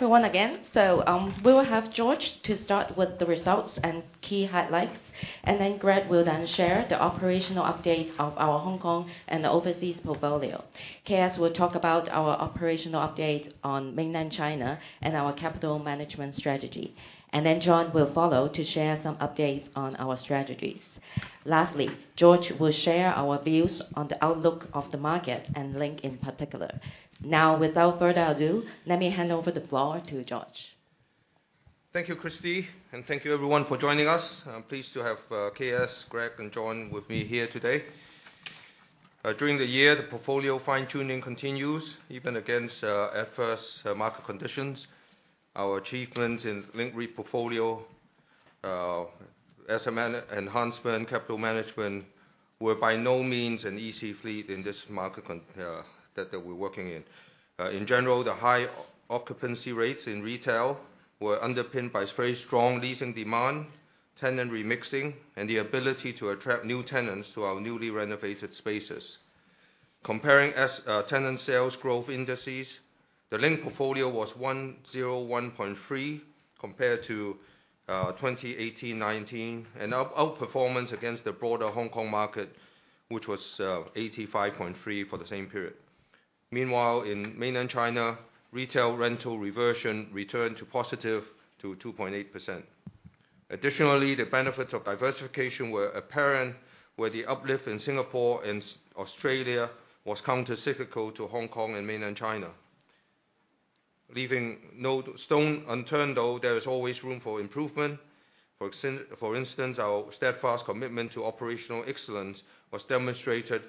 Everyone again. So, we will have George to start with the results and key highlights, and then Greg will then share the operational update of our Hong Kong and the overseas portfolio. KS will talk about our operational update on Mainland China and our capital management strategy, and then John will follow to share some updates on our strategies. Lastly, George will share our views on the outlook of the market and Link in particular. Now, without further ado, let me hand over the floor to George. Thank you, Christie, and thank you everyone for joining us. Pleased to have KS, Greg, and John with me here today. During the year, the portfolio fine-tuning continues, even against adverse market conditions. Our achievements in Link REIT portfolio, SMN Enhancement, capital management, were by no means an easy feat in this market context that we're working in. In general, the high occupancy rates in retail were underpinned by very strong leasing demand, tenant remixing, and the ability to attract new tenants to our newly renovated spaces. Comparing same-store tenant sales growth indices, the Link portfolio was 101.3 compared to 2018-19, an outperformance against the broader Hong Kong market, which was 85.3 for the same period. Meanwhile, in Mainland China, retail rental reversion returned to positive 2.8%. Additionally, the benefits of diversification were apparent, where the uplift in Singapore and Sydney, Australia was countercyclical to Hong Kong and Mainland China. Leaving no stone unturned, though, there is always room for improvement. For instance, our steadfast commitment to operational excellence was demonstrated,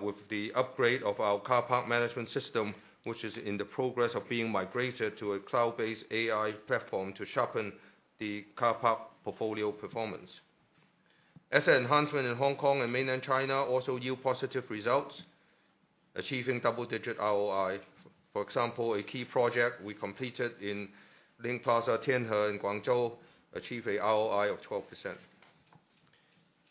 with the upgrade of our car park management system, which is in the process of being migrated to a cloud-based AI platform to sharpen the car park portfolio performance. AEI enhancement in Hong Kong and Mainland China also yield positive results, achieving double-digit ROI. For example, a key project we completed in Link Plaza Tianhe in Guangzhou achieved a ROI of 12%.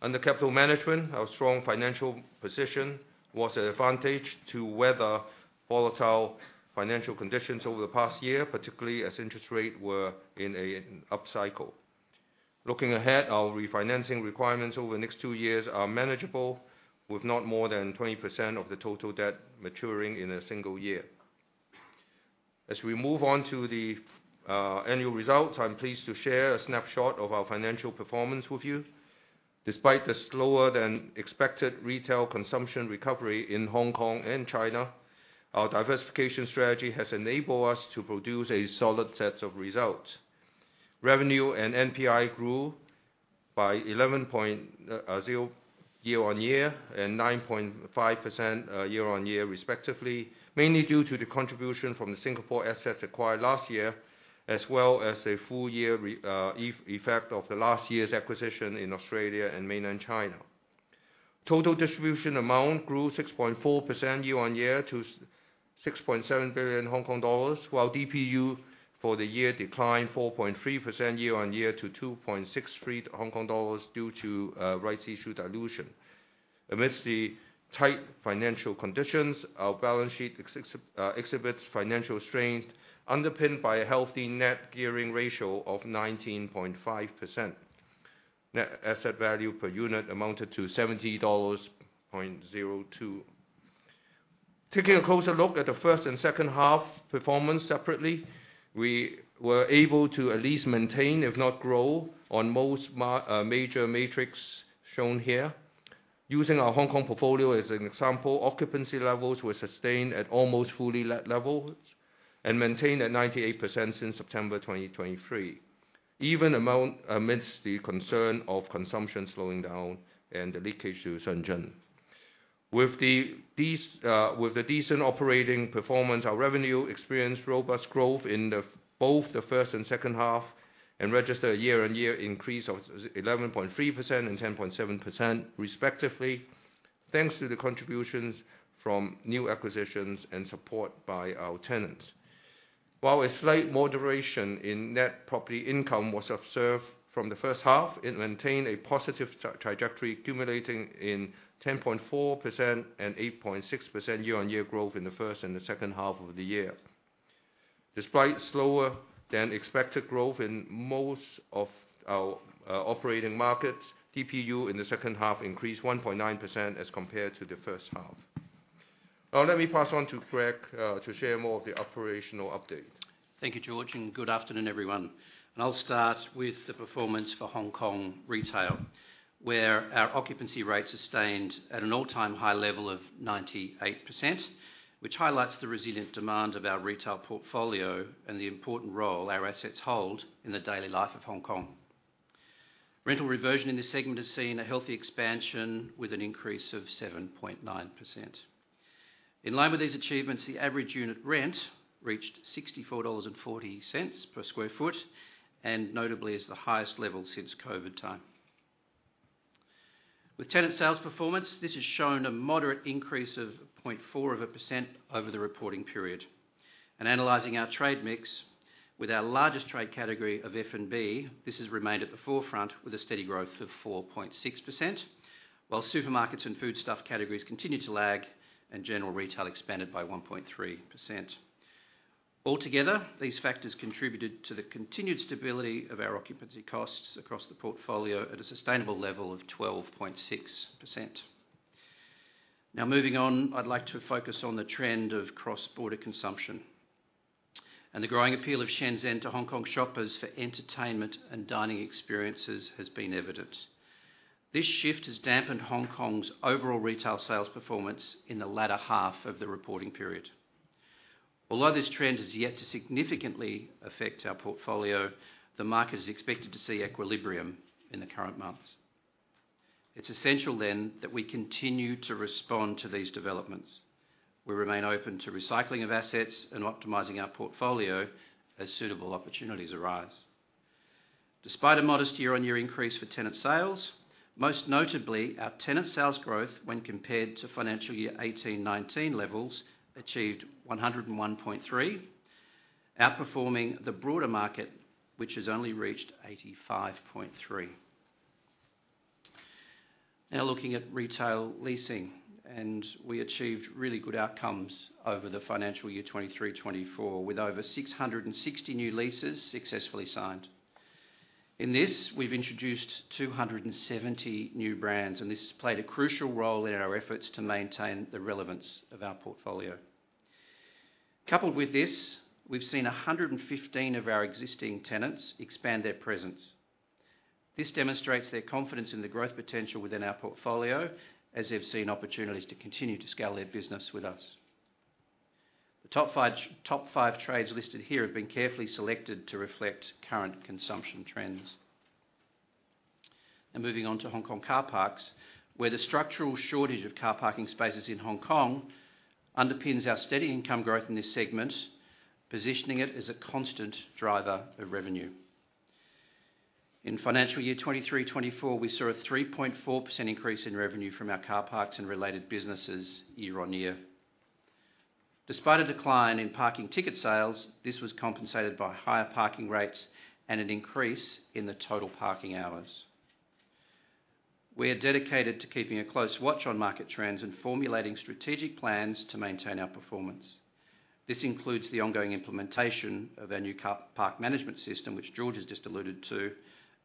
Under capital management, our strong financial position was an advantage to weather volatile financial conditions over the past year, particularly as interest rates were in an upcycle. Looking ahead, our refinancing requirements over the next two years are manageable, with not more than 20% of the total debt maturing in a single year. As we move on to the annual results, I'm pleased to share a snapshot of our financial performance with you. Despite the slower-than-expected retail consumption recovery in Hong Kong and China, our diversification strategy has enabled us to produce a solid set of results. Revenue and NPI grew by 11.0% year-on-year and 9.5% year-on-year, respectively, mainly due to the contribution from the Singapore assets acquired last year, as well as a full-year revenue effect of the last year's acquisition in Australia and Mainland China. Total distribution amount grew 6.4% year-on-year to 6.7 billion Hong Kong dollars, while DPU for the year declined 4.3% year-on-year to 2.63 Hong Kong dollars due to rights issue dilution. Amidst the tight financial conditions, our balance sheet exhibits financial strength underpinned by a healthy net gearing ratio of 19.5%. Net asset value per unit amounted to HKD 70.02. Taking a closer look at the first and second half performance separately, we were able to at least maintain, if not grow, on most major metrics shown here. Using our Hong Kong portfolio as an example, occupancy levels were sustained at almost fully let levels and maintained at 98% since September 2023, even amidst the concern of consumption slowing down and the leakage to Shenzhen. With the decent operating performance, our revenue experienced robust growth in both the first and second half and registered a year-on-year increase of 11.3% and 10.7%, respectively, thanks to the contributions from new acquisitions and support by our tenants. While a slight moderation in net property income was observed from the first half, it maintained a positive trajectory, accumulating in 10.4% and 8.6% year-on-year growth in the first and the second half of the year. Despite slower-than-expected growth in most of our operating markets, DPU in the second half increased 1.9% as compared to the first half. Now, let me pass on to Greg, to share more of the operational update. Thank you, George, and good afternoon, everyone. I'll start with the performance for Hong Kong retail, where our occupancy rate sustained at an all-time high level of 98%, which highlights the resilient demand of our retail portfolio and the important role our assets hold in the daily life of Hong Kong. Rental reversion in this segment has seen a healthy expansion with an increase of 7.9%. In line with these achievements, the average unit rent reached 64.40 dollars per sq ft, and notably as the highest level since COVID time. With tenant sales performance, this has shown a moderate increase of 0.4% over the reporting period. Analyzing our trade mix, with our largest trade category of F&B, this has remained at the forefront with a steady growth of 4.6%, while supermarkets and foodstuff categories continued to lag and general retail expanded by 1.3%. Altogether, these factors contributed to the continued stability of our occupancy costs across the portfolio at a sustainable level of 12.6%. Now, moving on, I'd like to focus on the trend of cross-border consumption. The growing appeal of Shenzhen to Hong Kong shoppers for entertainment and dining experiences has been evident. This shift has dampened Hong Kong's overall retail sales performance in the latter half of the reporting period. Although this trend has yet to significantly affect our portfolio, the market is expected to see equilibrium in the current months. It's essential, then, that we continue to respond to these developments. We remain open to recycling of assets and optimizing our portfolio as suitable opportunities arise. Despite a modest year-on-year increase for tenant sales, most notably, our tenant sales growth, when compared to financial year 2018-2019 levels, achieved 101.3%, outperforming the broader market, which has only reached 85.3%. Now, looking at retail leasing. We achieved really good outcomes over the financial year 2023-2024, with over 660 new leases successfully signed. In this, we've introduced 270 new brands. This has played a crucial role in our efforts to maintain the relevance of our portfolio. Coupled with this, we've seen 115 of our existing tenants expand their presence. This demonstrates their confidence in the growth potential within our portfolio, as they've seen opportunities to continue to scale their business with us. The top five trades listed here have been carefully selected to reflect current consumption trends. Now, moving on to Hong Kong car parks, where the structural shortage of car parking spaces in Hong Kong underpins our steady income growth in this segment, positioning it as a constant driver of revenue. In financial year 2023-2024, we saw a 3.4% increase in revenue from our car parks and related businesses, year-on-year. Despite a decline in parking ticket sales, this was compensated by higher parking rates and an increase in the total parking hours. We are dedicated to keeping a close watch on market trends and formulating strategic plans to maintain our performance. This includes the ongoing implementation of our new car park management system, which George has just alluded to.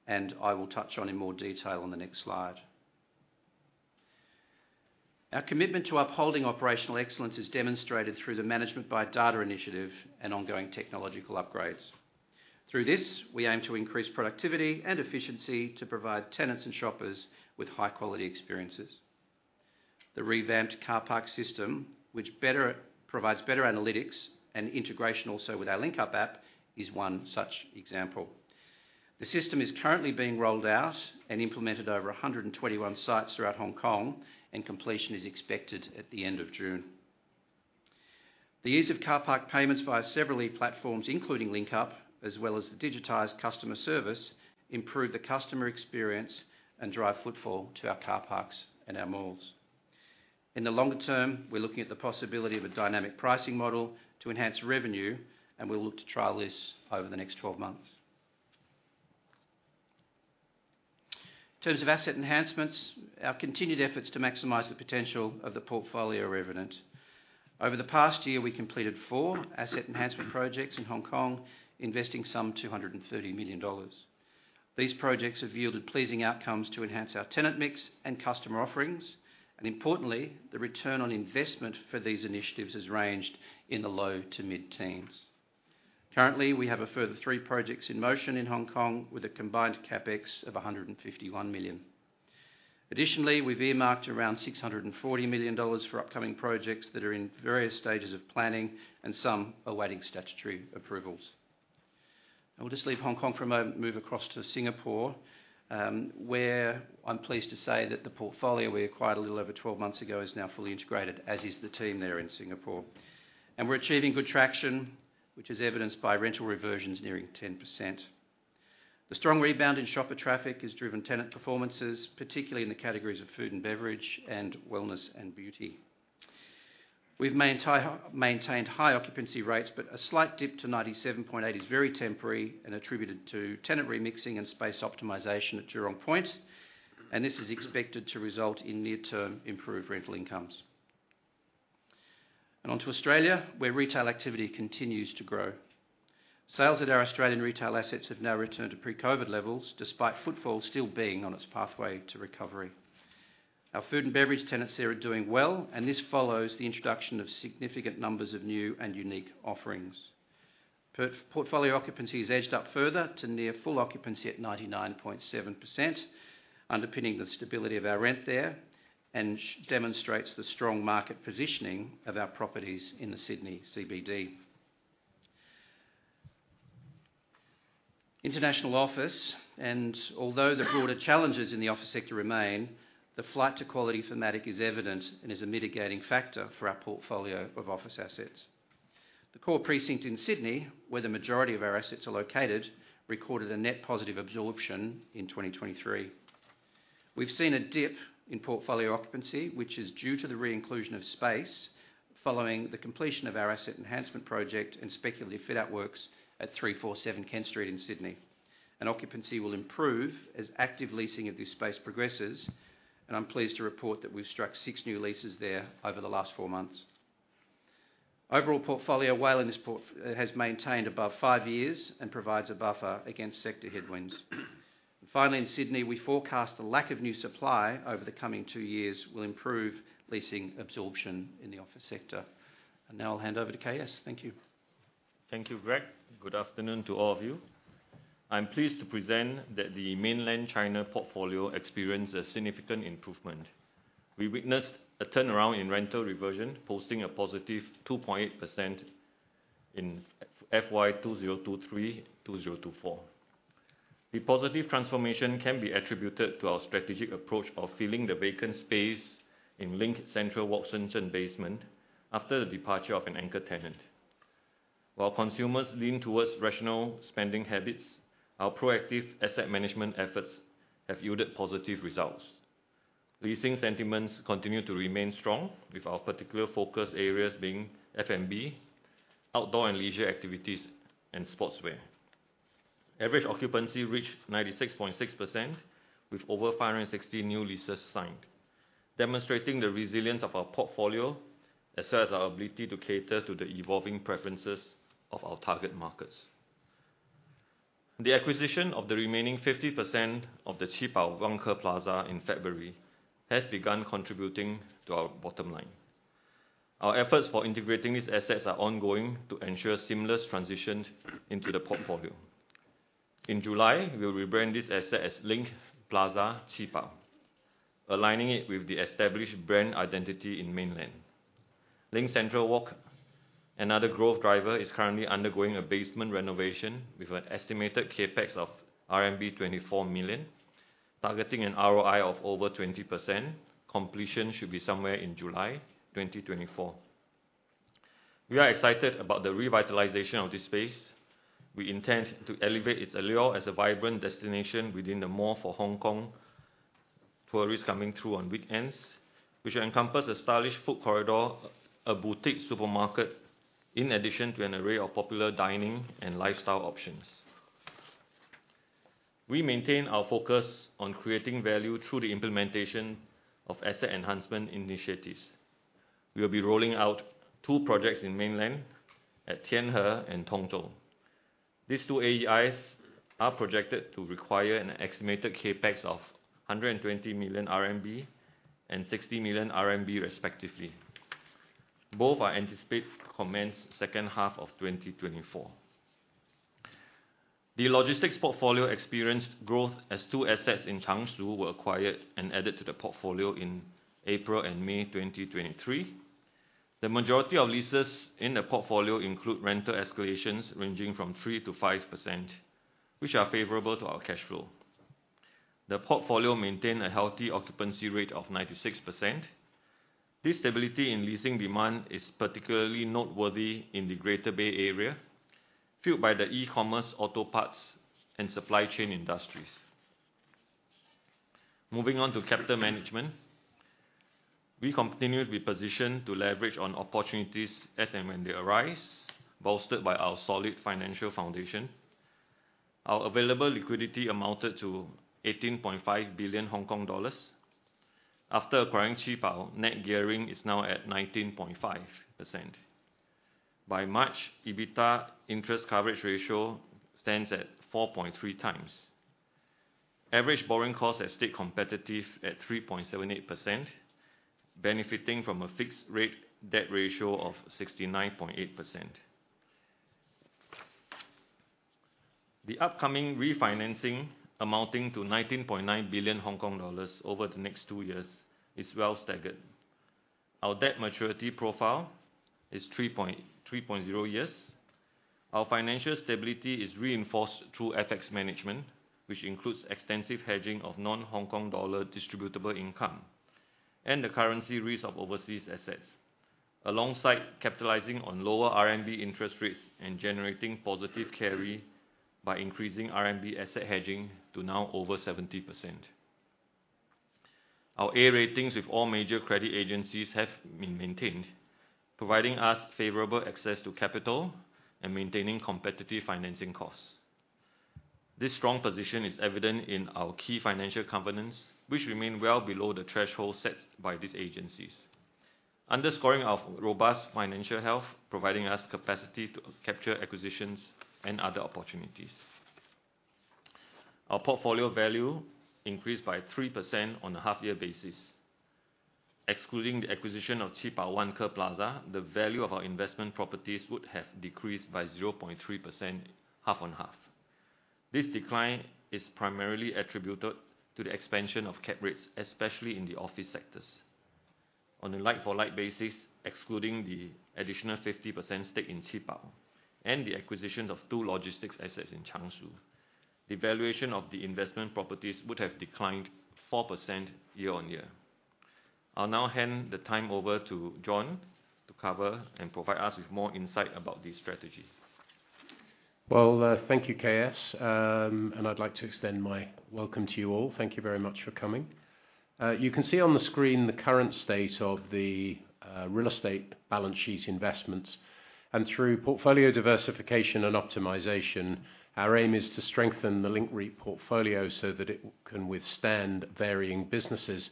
I will touch on in more detail on the next slide. Our commitment to upholding operational excellence is demonstrated through the Management by Data initiative and ongoing technological upgrades. Through this, we aim to increase productivity and efficiency to provide tenants and shoppers with high-quality experiences. The revamped car park system, which provides better analytics and integration also with our Link Up app, is one such example. The system is currently being rolled out and implemented over 121 sites throughout Hong Kong. Completion is expected at the end of June. The ease of car park payments via several e-platforms, including Link Up, as well as the digitized customer service, improved the customer experience and drive footfall to our car parks and our malls. In the longer term, we're looking at the possibility of a dynamic pricing model to enhance revenue. We'll look to try this over the next 12 months. In terms of asset enhancements, our continued efforts to maximize the potential of the portfolio are evident. Over the past year, we completed four asset enhancement projects in Hong Kong, investing some 230 million dollars. These projects have yielded pleasing outcomes to enhance our tenant mix and customer offerings. Importantly, the return on investment for these initiatives has ranged in the low to mid-teens. Currently, we have a further 3 projects in motion in Hong Kong, with a combined CapEx of 151 million. Additionally, we've earmarked around 640 million dollars for upcoming projects that are in various stages of planning and some awaiting statutory approvals. And we'll just leave Hong Kong for a moment and move across to Singapore, where I'm pleased to say that the portfolio we acquired a little over 12 months ago is now fully integrated, as is the team there in Singapore. And we're achieving good traction, which is evidenced by rental reversions nearing 10%. The strong rebound in shopper traffic has driven tenant performances, particularly in the categories of food and beverage and wellness and beauty. We've maintained high occupancy rates. But a slight dip to 97.8% is very temporary and attributed to tenant remixing and space optimization at Jurong Point. This is expected to result in near-term improved rental incomes. Onto Australia, where retail activity continues to grow. Sales of our Australian retail assets have now returned to pre-COVID levels, despite footfall still being on its pathway to recovery. Our food and beverage tenants there are doing well. This follows the introduction of significant numbers of new and unique offerings. Portfolio occupancy has edged up further to near full occupancy at 99.7%, underpinning the stability of our rent there and demonstrates the strong market positioning of our properties in the Sydney CBD. International office. Although the broader challenges in the office sector remain, the flight to quality thematic is evident and is a mitigating factor for our portfolio of office assets. The core precinct in Sydney, where the majority of our assets are located, recorded a net positive absorption in 2023. We've seen a dip in portfolio occupancy, which is due to the reinclusion of space following the completion of our asset enhancement project and speculative fit-out works at 347 Kent Street in Sydney. Occupancy will improve as active leasing of this space progresses. I'm pleased to report that we've struck six new leases there over the last four months. Overall portfolio weight in this port has maintained above five years and provides a buffer against sector headwinds. Finally, in Sydney, we forecast the lack of new supply over the coming two years will improve leasing absorption in the office sector. Now I'll hand over to KS. Thank you. Thank you, Greg. Good afternoon to all of you. I'm pleased to present that the Mainland China portfolio experienced a significant improvement. We witnessed a turnaround in rental reversion, posting a positive 2.8% in FY2023-2024. The positive transformation can be attributed to our strategic approach of filling the vacant space in Link CentralWalk, Shenzhen basement after the departure of an anchor tenant. While consumers lean towards rational spending habits, our proactive asset management efforts have yielded positive results. Leasing sentiments continue to remain strong, with our particular focus areas being F&B, outdoor and leisure activities, and sportswear. Average occupancy reached 96.6%, with over 560 new leases signed, demonstrating the resilience of our portfolio as well as our ability to cater to the evolving preferences of our target markets. The acquisition of the remaining 50% of the Qibao Vanke Plaza in February has begun contributing to our bottom line. Our efforts for integrating these assets are ongoing to ensure a seamless transition into the portfolio. In July, we'll rebrand this asset as Link Plaza Qibao, aligning it with the established brand identity in mainland. Link CentralWalk, another growth driver, is currently undergoing a basement renovation with an estimated CapEx of RMB 24 million, targeting an ROI of over 20%. Completion should be somewhere in July 2024. We are excited about the revitalization of this space. We intend to elevate its allure as a vibrant destination within the mall for Hong Kong tourists coming through on weekends, which will encompass a stylish food corridor, a boutique supermarket, in addition to an array of popular dining and lifestyle options. We maintain our focus on creating value through the implementation of asset enhancement initiatives. We'll be rolling out two projects in mainland at Tianhe and Tongzhou. These two AEIs are projected to require an estimated CapEx of 120 million RMB and 60 million RMB, respectively. Both are anticipated to commence the second half of 2024. The logistics portfolio experienced growth as two assets in Changshu were acquired and added to the portfolio in April and May 2023. The majority of leases in the portfolio include rental escalations ranging from 3%-5%, which are favorable to our cashflow. The portfolio maintained a healthy occupancy rate of 96%. This stability in leasing demand is particularly noteworthy in the Greater Bay Area, fueled by the e-commerce, auto parts, and supply chain industries. Moving on to capital management, we continued to be positioned to leverage on opportunities as and when they arise, bolstered by our solid financial foundation. Our available liquidity amounted to 18.5 billion Hong Kong dollars. After acquiring Qibao, net gearing is now at 19.5%. By March, EBITDA interest coverage ratio stands at 4.3 times. Average borrowing cost has stayed competitive at 3.78%, benefiting from a fixed-rate debt ratio of 69.8%. The upcoming refinancing, amounting to 19.9 billion Hong Kong dollars over the next two years, is well staggered. Our debt maturity profile is 3.0 years. Our financial stability is reinforced through FX management, which includes extensive hedging of non-Hong Kong dollar distributable income and the currency risk of overseas assets, alongside capitalizing on lower RMB interest rates and generating positive carry by increasing RMB asset hedging to now over 70%. Our A ratings with all major credit agencies have been maintained, providing us favorable access to capital and maintaining competitive financing costs. This strong position is evident in our key financial covenants, which remain well below the threshold set by these agencies, underscoring our robust financial health, providing us capacity to capture acquisitions and other opportunities. Our portfolio value increased by 3% on a half-year basis. Excluding the acquisition of Qibao Vanke Plaza, the value of our investment properties would have decreased by 0.3%, half on half. This decline is primarily attributed to the expansion of cap rates, especially in the office sectors. On a like-for-like basis, excluding the additional 50% stake in Qibao and the acquisition of two logistics assets in Changshu, the valuation of the investment properties would have declined 4% year-on-year. I'll now hand the time over to John to cover and provide us with more insight about this strategy. Well, thank you, KS. I'd like to extend my welcome to you all. Thank you very much for coming. You can see on the screen the current state of the real estate balance sheet investments. Through portfolio diversification and optimization, our aim is to strengthen the Link REIT portfolio so that it can withstand varying businesses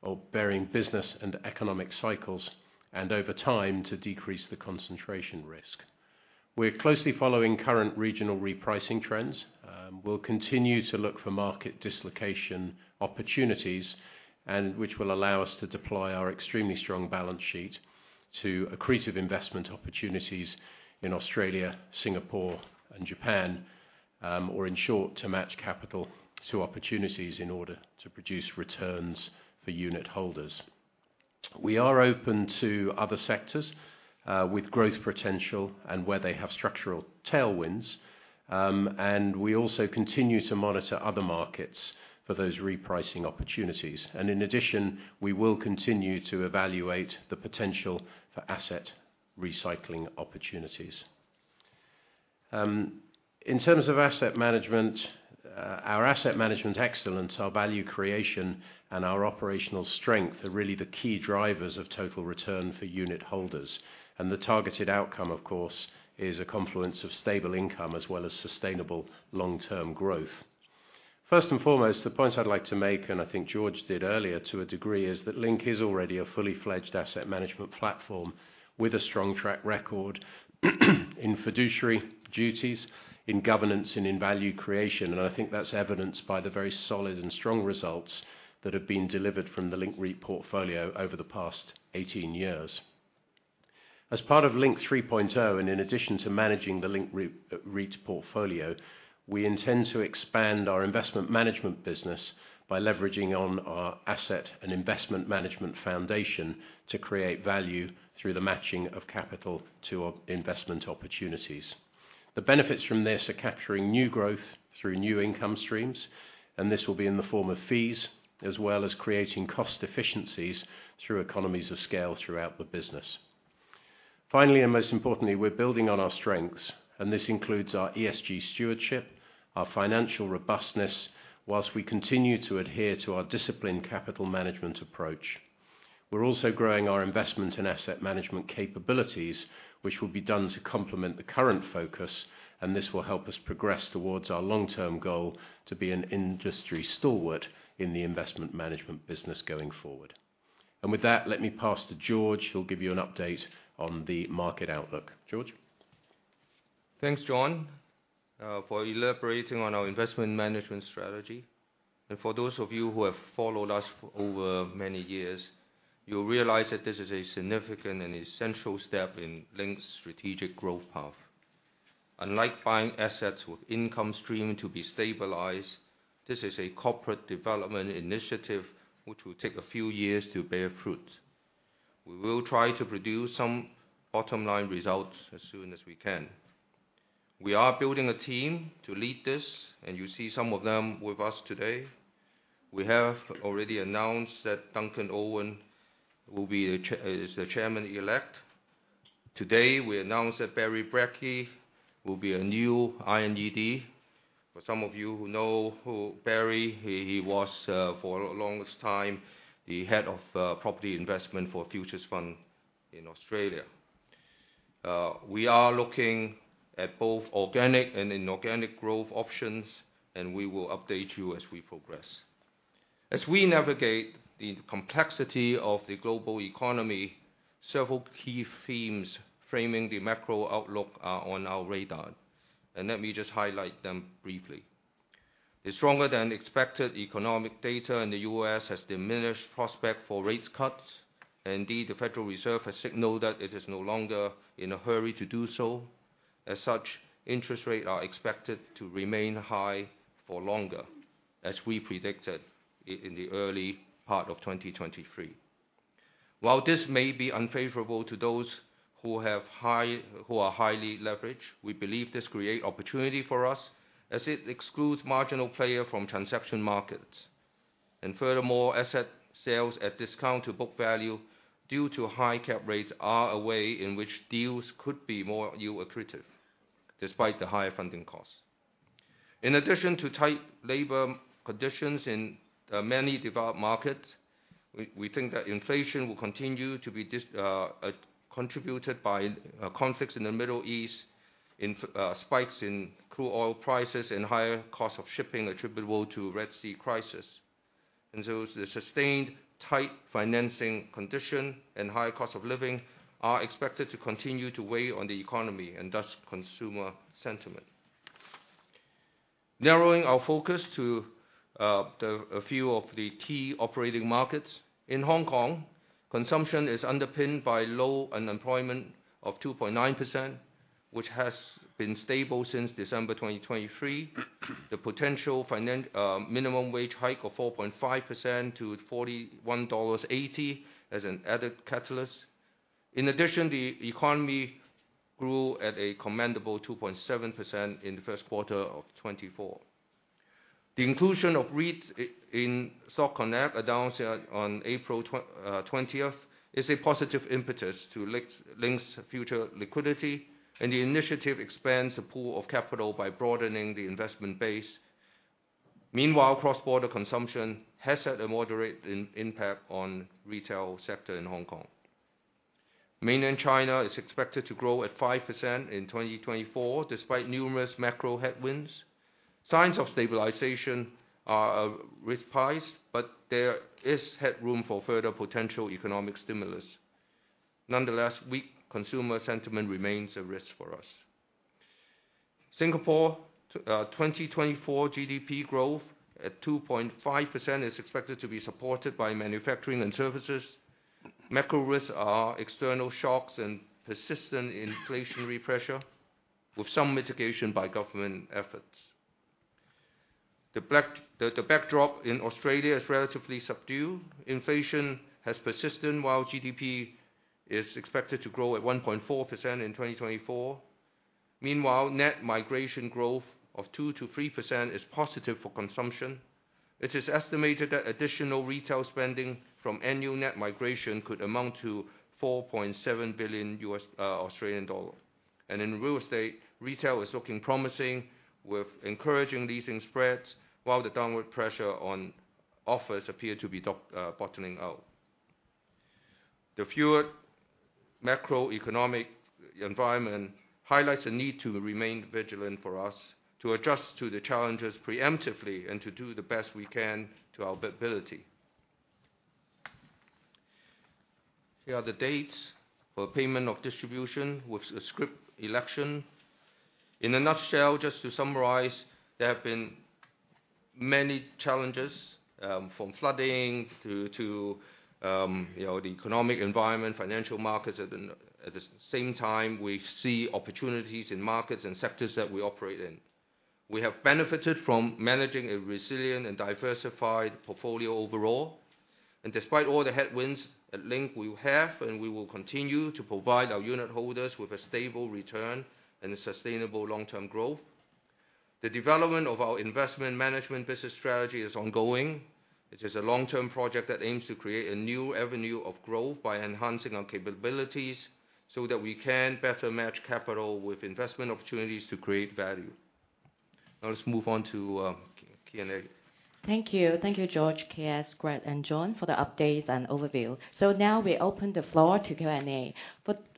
or varying business and economic cycles and, over time, to decrease the concentration risk. We're closely following current regional repricing trends. We'll continue to look for market dislocation opportunities, which will allow us to deploy our extremely strong balance sheet to accretive investment opportunities in Australia, Singapore, and Japan, or, in short, to match capital to opportunities in order to produce returns for unit holders. We are open to other sectors with growth potential and where they have structural tailwinds. We also continue to monitor other markets for those repricing opportunities. And in addition, we will continue to evaluate the potential for asset recycling opportunities. In terms of asset management, our asset management excellence, our value creation, and our operational strength are really the key drivers of total return for unit holders. And the targeted outcome, of course, is a confluence of stable income as well as sustainable long-term growth. First and foremost, the point I'd like to make, and I think George did earlier, to a degree, is that Link is already a fully fledged asset management platform with a strong track record in fiduciary duties, in governance, and in value creation. And I think that's evidenced by the very solid and strong results that have been delivered from the Link REIT portfolio over the past 18 years. As part of Link 3.0, and in addition to managing the Link REIT portfolio, we intend to expand our investment management business by leveraging on our asset and investment management foundation to create value through the matching of capital to our investment opportunities. The benefits from this are capturing new growth through new income streams. And this will be in the form of fees, as well as creating cost efficiencies through economies of scale throughout the business. Finally, and most importantly, we're building on our strengths. And this includes our ESG stewardship, our financial robustness, while we continue to adhere to our disciplined capital management approach. We're also growing our investment and asset management capabilities, which will be done to complement the current focus. And this will help us progress towards our long-term goal to be an industry stalwart in the investment management business going forward. With that, let me pass to George. He'll give you an update on the market outlook. George? Thanks, John, for elaborating on our investment management strategy. For those of you who have followed us over many years, you'll realize that this is a significant and essential step in Link's strategic growth path. Unlike buying assets with income streaming to be stabilised, this is a corporate development initiative which will take a few years to bear fruit. We will try to produce some bottom line results as soon as we can. We are building a team to lead this. You see some of them with us today. We have already announced that Duncan Owen is the Chairman-Elect. Today, we announced that Barry Brakey will be a new INED. For some of you who know Barry, he was, for a long time, the head of property investment for Future Fund in Australia. We are looking at both organic and inorganic growth options. We will update you as we progress. As we navigate the complexity of the global economy, several key themes framing the macro outlook are on our radar. Let me just highlight them briefly. The stronger-than-expected economic data in the U.S. has diminished prospects for rate cuts. Indeed, the Federal Reserve has signaled that it is no longer in a hurry to do so. As such, interest rates are expected to remain high for longer, as we predicted in the early part of 2023. While this may be unfavorable to those who are highly leveraged, we believe this creates opportunity for us, as it excludes marginal players from transaction markets. Furthermore, asset sales at discount to book value due to high cap rates are a way in which deals could be more accretive, despite the higher funding costs. In addition to tight labor conditions in many developed markets, we think that inflation will continue to be contributed by conflicts in the Middle East, spikes in crude oil prices, and higher costs of shipping attributable to the Red Sea crisis. And so the sustained tight financing condition and high cost of living are expected to continue to weigh on the economy and thus consumer sentiment. Narrowing our focus to a few of the key operating markets. In Hong Kong, consumption is underpinned by low unemployment of 2.9%, which has been stable since December 2023, the potential minimum wage hike of 4.5% to 41.80 dollars as an added catalyst. In addition, the economy grew at a commendable 2.7% in the first quarter of 2024. The inclusion of REITs in Stock Connect announced on April 20th is a positive impetus to Link's future liquidity. The initiative expands the pool of capital by broadening the investment base. Meanwhile, cross-border consumption has had a moderate impact on the retail sector in Hong Kong. Mainland China is expected to grow at 5% in 2024, despite numerous macro headwinds. Signs of stabilization are arising, but there is headroom for further potential economic stimulus. Nonetheless, weak consumer sentiment remains a risk for us. Singapore's 2024 GDP growth at 2.5% is expected to be supported by manufacturing and services. Macro risks are external shocks and persistent inflationary pressure, with some mitigation by government efforts. The backdrop in Australia is relatively subdued. Inflation has persisted, while GDP is expected to grow at 1.4% in 2024. Meanwhile, net migration growth of 2%-3% is positive for consumption. It is estimated that additional retail spending from annual net migration could amount to 4.7 billion. In real estate, retail is looking promising, with encouraging leasing spreads while the downward pressure on office rents appears to be bottoming out. The current macroeconomic environment highlights the need to remain vigilant for us, to adjust to the challenges preemptively, and to do the best we can to our ability. Here are the dates for payment of distribution with a scrip election. In a nutshell, just to summarize, there have been many challenges, from flooding to the economic environment, financial markets. At the same time, we see opportunities in markets and sectors that we operate in. We have benefited from managing a resilient and diversified portfolio overall. Despite all the headwinds at Link, we have and we will continue to provide our unit holders with a stable return and sustainable long-term growth. The development of our investment management business strategy is ongoing. It is a long-term project that aims to create a new avenue of growth by enhancing our capabilities so that we can better match capital with investment opportunities to create value. Now, let's move on to Q&A. Thank you. Thank you, George, KS, Greg, and John, for the updates and overview. So now we open the floor to Q&A.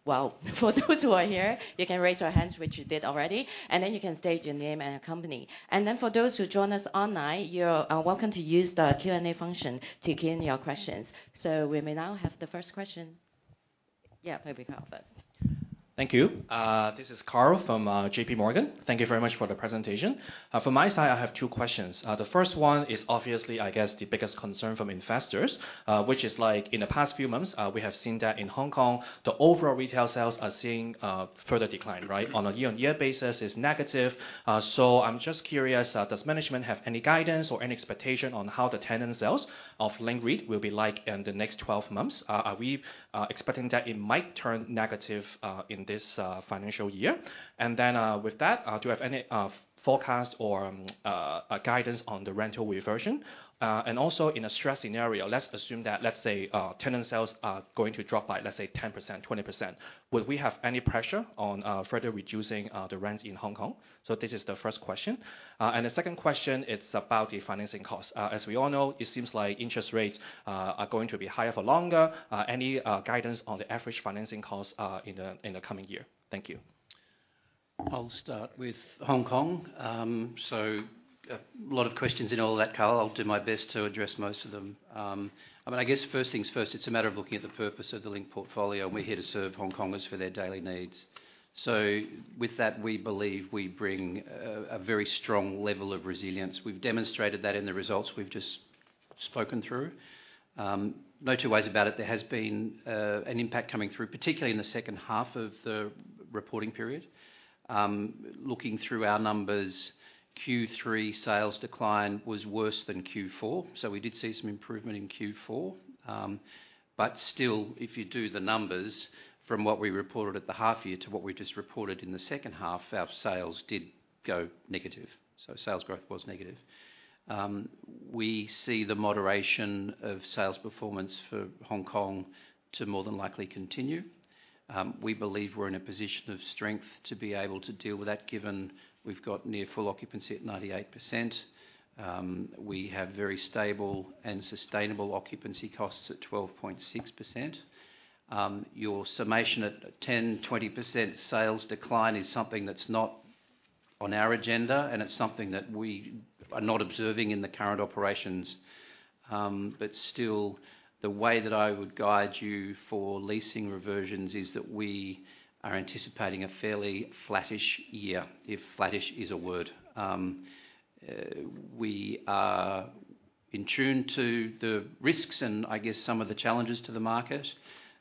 Well, for those who are here, you can raise your hands, which you did already. And then you can state your name and company. And then for those who joined us online, you're welcome to use the Q&A function to gain your questions. So we may now have the first question. Yeah, maybe Karl first. Thank you. This is Karl from J.P. Morgan. Thank you very much for the presentation. From my side, I have two questions. The first one is obviously, I guess, the biggest concern from investors, which is, in the past few months, we have seen that in Hong Kong, the overall retail sales are seeing further decline, right? On a year-on-year basis, it's negative. So I'm just curious, does management have any guidance or any expectation on how the tenant sales of Link REIT will be like in the next 12 months? Are we expecting that it might turn negative in this financial year? And then with that, do you have any forecast or guidance on the rental reversion? And also, in a stress scenario, let's assume that, let's say, tenant sales are going to drop by, let's say, 10%, 20%. Would we have any pressure on further reducing the rents in Hong Kong? So this is the first question. And the second question, it's about the financing costs. As we all know, it seems like interest rates are going to be higher for longer. Any guidance on the average financing costs in the coming year? Thank you. I'll start with Hong Kong. So a lot of questions in all of that, Karl. I'll do my best to address most of them. I mean, I guess first things first, it's a matter of looking at the purpose of the Link portfolio. And we're here to serve Hong Kongers for their daily needs. So with that, we believe we bring a very strong level of resilience. We've demonstrated that in the results we've just spoken through. No two ways about it. There has been an impact coming through, particularly in the second half of the reporting period. Looking through our numbers, Q3 sales decline was worse than Q4. So we did see some improvement in Q4. But still, if you do the numbers from what we reported at the half year to what we just reported in the second half, our sales did go negative. So sales growth was negative. We see the moderation of sales performance for Hong Kong to more than likely continue. We believe we're in a position of strength to be able to deal with that, given we've got near full occupancy at 98%. We have very stable and sustainable occupancy costs at 12.6%. Your summation at 10%-20% sales decline is something that's not on our agenda. And it's something that we are not observing in the current operations. But still, the way that I would guide you for leasing reversions is that we are anticipating a fairly flattish year, if flattish is a word. We are in tune to the risks and, I guess, some of the challenges to the market.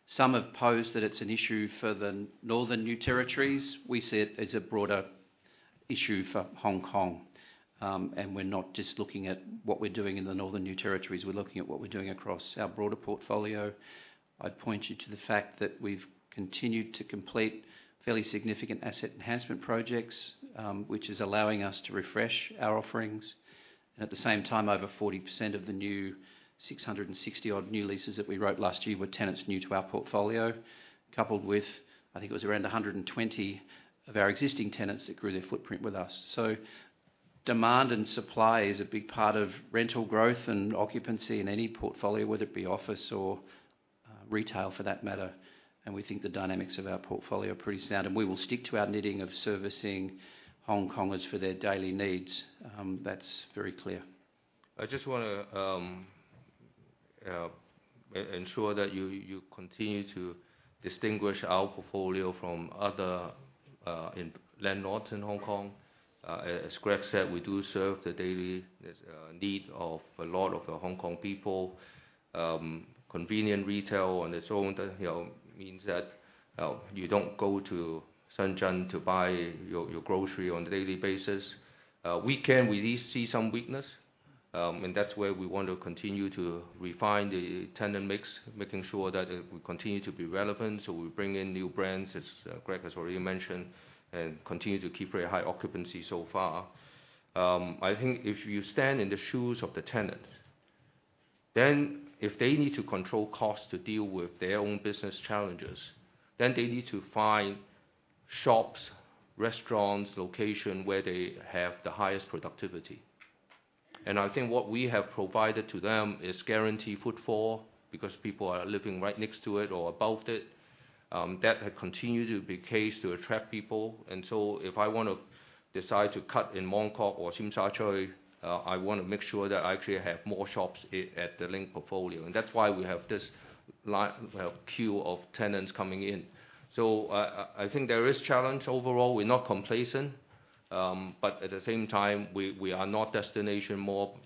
Some have posed that it's an issue for the northern New Territories. We see it as a broader issue for Hong Kong. We're not just looking at what we're doing in the northern New Territories. We're looking at what we're doing across our broader portfolio. I'd point you to the fact that we've continued to complete fairly significant asset enhancement projects, which is allowing us to refresh our offerings. At the same time, over 40% of the new 660-odd new leases that we wrote last year were tenants new to our portfolio, coupled with, I think it was around 120 of our existing tenants that grew their footprint with us. Demand and supply is a big part of rental growth and occupancy in any portfolio, whether it be office or retail for that matter. We think the dynamics of our portfolio are pretty sound. We will stick to our knitting of servicing Hong Kongers for their daily needs. That's very clear. I just want to ensure that you continue to distinguish our portfolio from other landlords in Hong Kong. As Greg said, we do serve the daily need of a lot of Hong Kong people. Convenient retail on its own means that you don't go to Shenzhen to buy your grocery on a daily basis. Weekend, we see some weakness. And that's where we want to continue to refine the tenant mix, making sure that we continue to be relevant. So we bring in new brands, as Greg has already mentioned, and continue to keep very high occupancy so far. I think if you stand in the shoes of the tenant, then if they need to control costs to deal with their own business challenges, then they need to find shops, restaurants, locations where they have the highest productivity. I think what we have provided to them is guaranteed footfall because people are living right next to it or above it. That continues to be the case to attract people. So if I want to decide to locate in Mong Kok or Tsim Sha Tsui, I want to make sure that I actually have more shops at the Link portfolio. And that's why we have this queue of tenants coming in. So I think there is challenge overall. We're not complacent. But at the same time, we are not destination mall.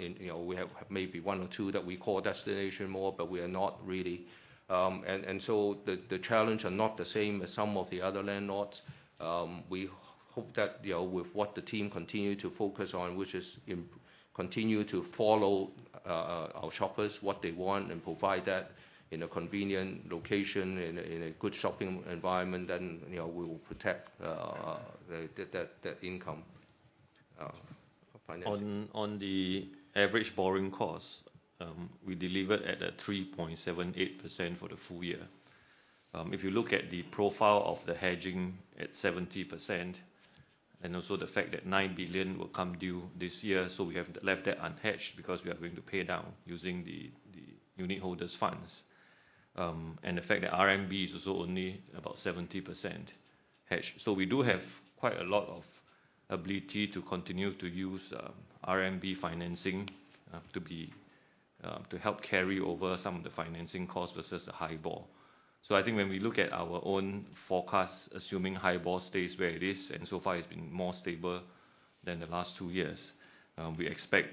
We have maybe one or two that we call destination mall, but we are not really. And so the challenges are not the same as some of the other landlords. We hope that with what the team continues to focus on, which is continue to follow our shoppers, what they want, and provide that in a convenient location, in a good shopping environment, then we will protect that income financing. On the average borrowing cost, we delivered at 3.78% for the full year. If you look at the profile of the hedging at 70% and also the fact that 9 billion will come due this year, so we have left that unhedged because we are going to pay down using the unit holders' funds and the fact that RMB is also only about 70% hedged. So we do have quite a lot of ability to continue to use RMB financing to help carry over some of the financing costs versus the HIBOR. So I think when we look at our own forecast, assuming HIBOR stays where it is and so far it's been more stable than the last two years, we expect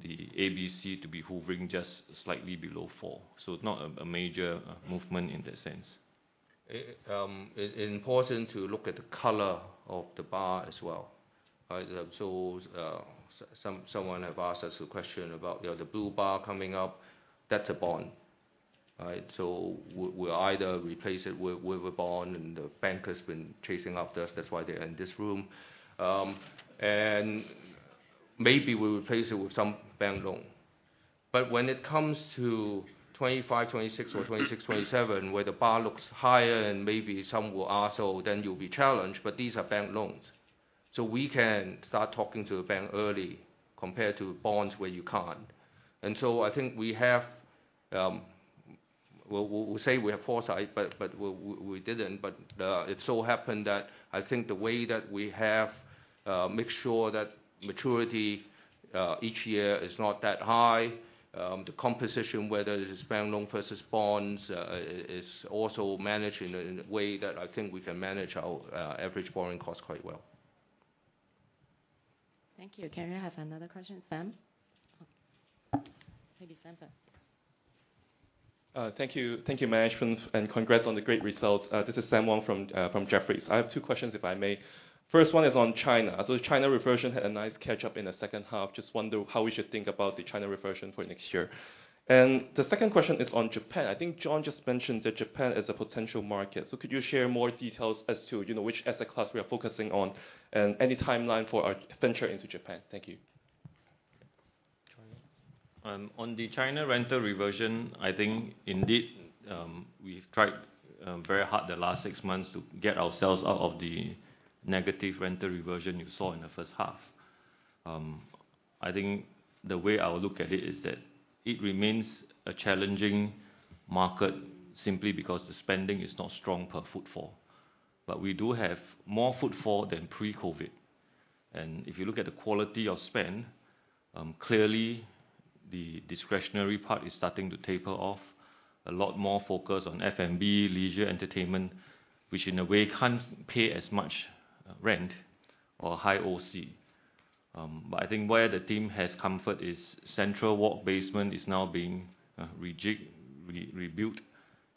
the ABC to be hovering just slightly below 4%. So not a major movement in that sense. It's important to look at the color of the bar as well, right? So someone has asked us a question about the blue bar coming up. That's a bond, right? So we'll either replace it with a bond, and the bank has been chasing after us. That's why they're in this room. And maybe we'll replace it with some bank loan. But when it comes to 2025, 2026, or 2026, 2027, where the bar looks higher and maybe some will ask, "Oh, then you'll be challenged," but these are bank loans. So we can start talking to the bank early compared to bonds where you can't. And so I think we have we'll say we have foresight, but we didn't. But it so happened that I think the way that we have made sure that maturity each year is not that high, the composition, whether it is bank loan versus bonds, is also managed in a way that I think we can manage our average borrowing cost quite well. Thank you. Can we have another question? Sam? Maybe Sam first. Thank you, management, and congrats on the great results. This is Sam Wong from Jefferies. I have two questions, if I may. First one is on China. So the China reversion had a nice catch-up in the second half. Just wonder how we should think about the China reversion for next year. And the second question is on Japan. I think John just mentioned that Japan is a potential market. So could you share more details as to which asset class we are focusing on and any timeline for our venture into Japan? Thank you. On the China rental reversion, I think indeed we've tried very hard the last 6 months to get ourselves out of the negative rental reversion you saw in the first half. I think the way I will look at it is that it remains a challenging market simply because the spending is not strong per footfall. But we do have more footfall than pre-COVID. And if you look at the quality of spend, clearly the discretionary part is starting to taper off. A lot more focus on F&B, leisure, entertainment, which in a way can't pay as much rent or high OC. But I think where the team has comfort is CentralWalk basement is now being rebuilt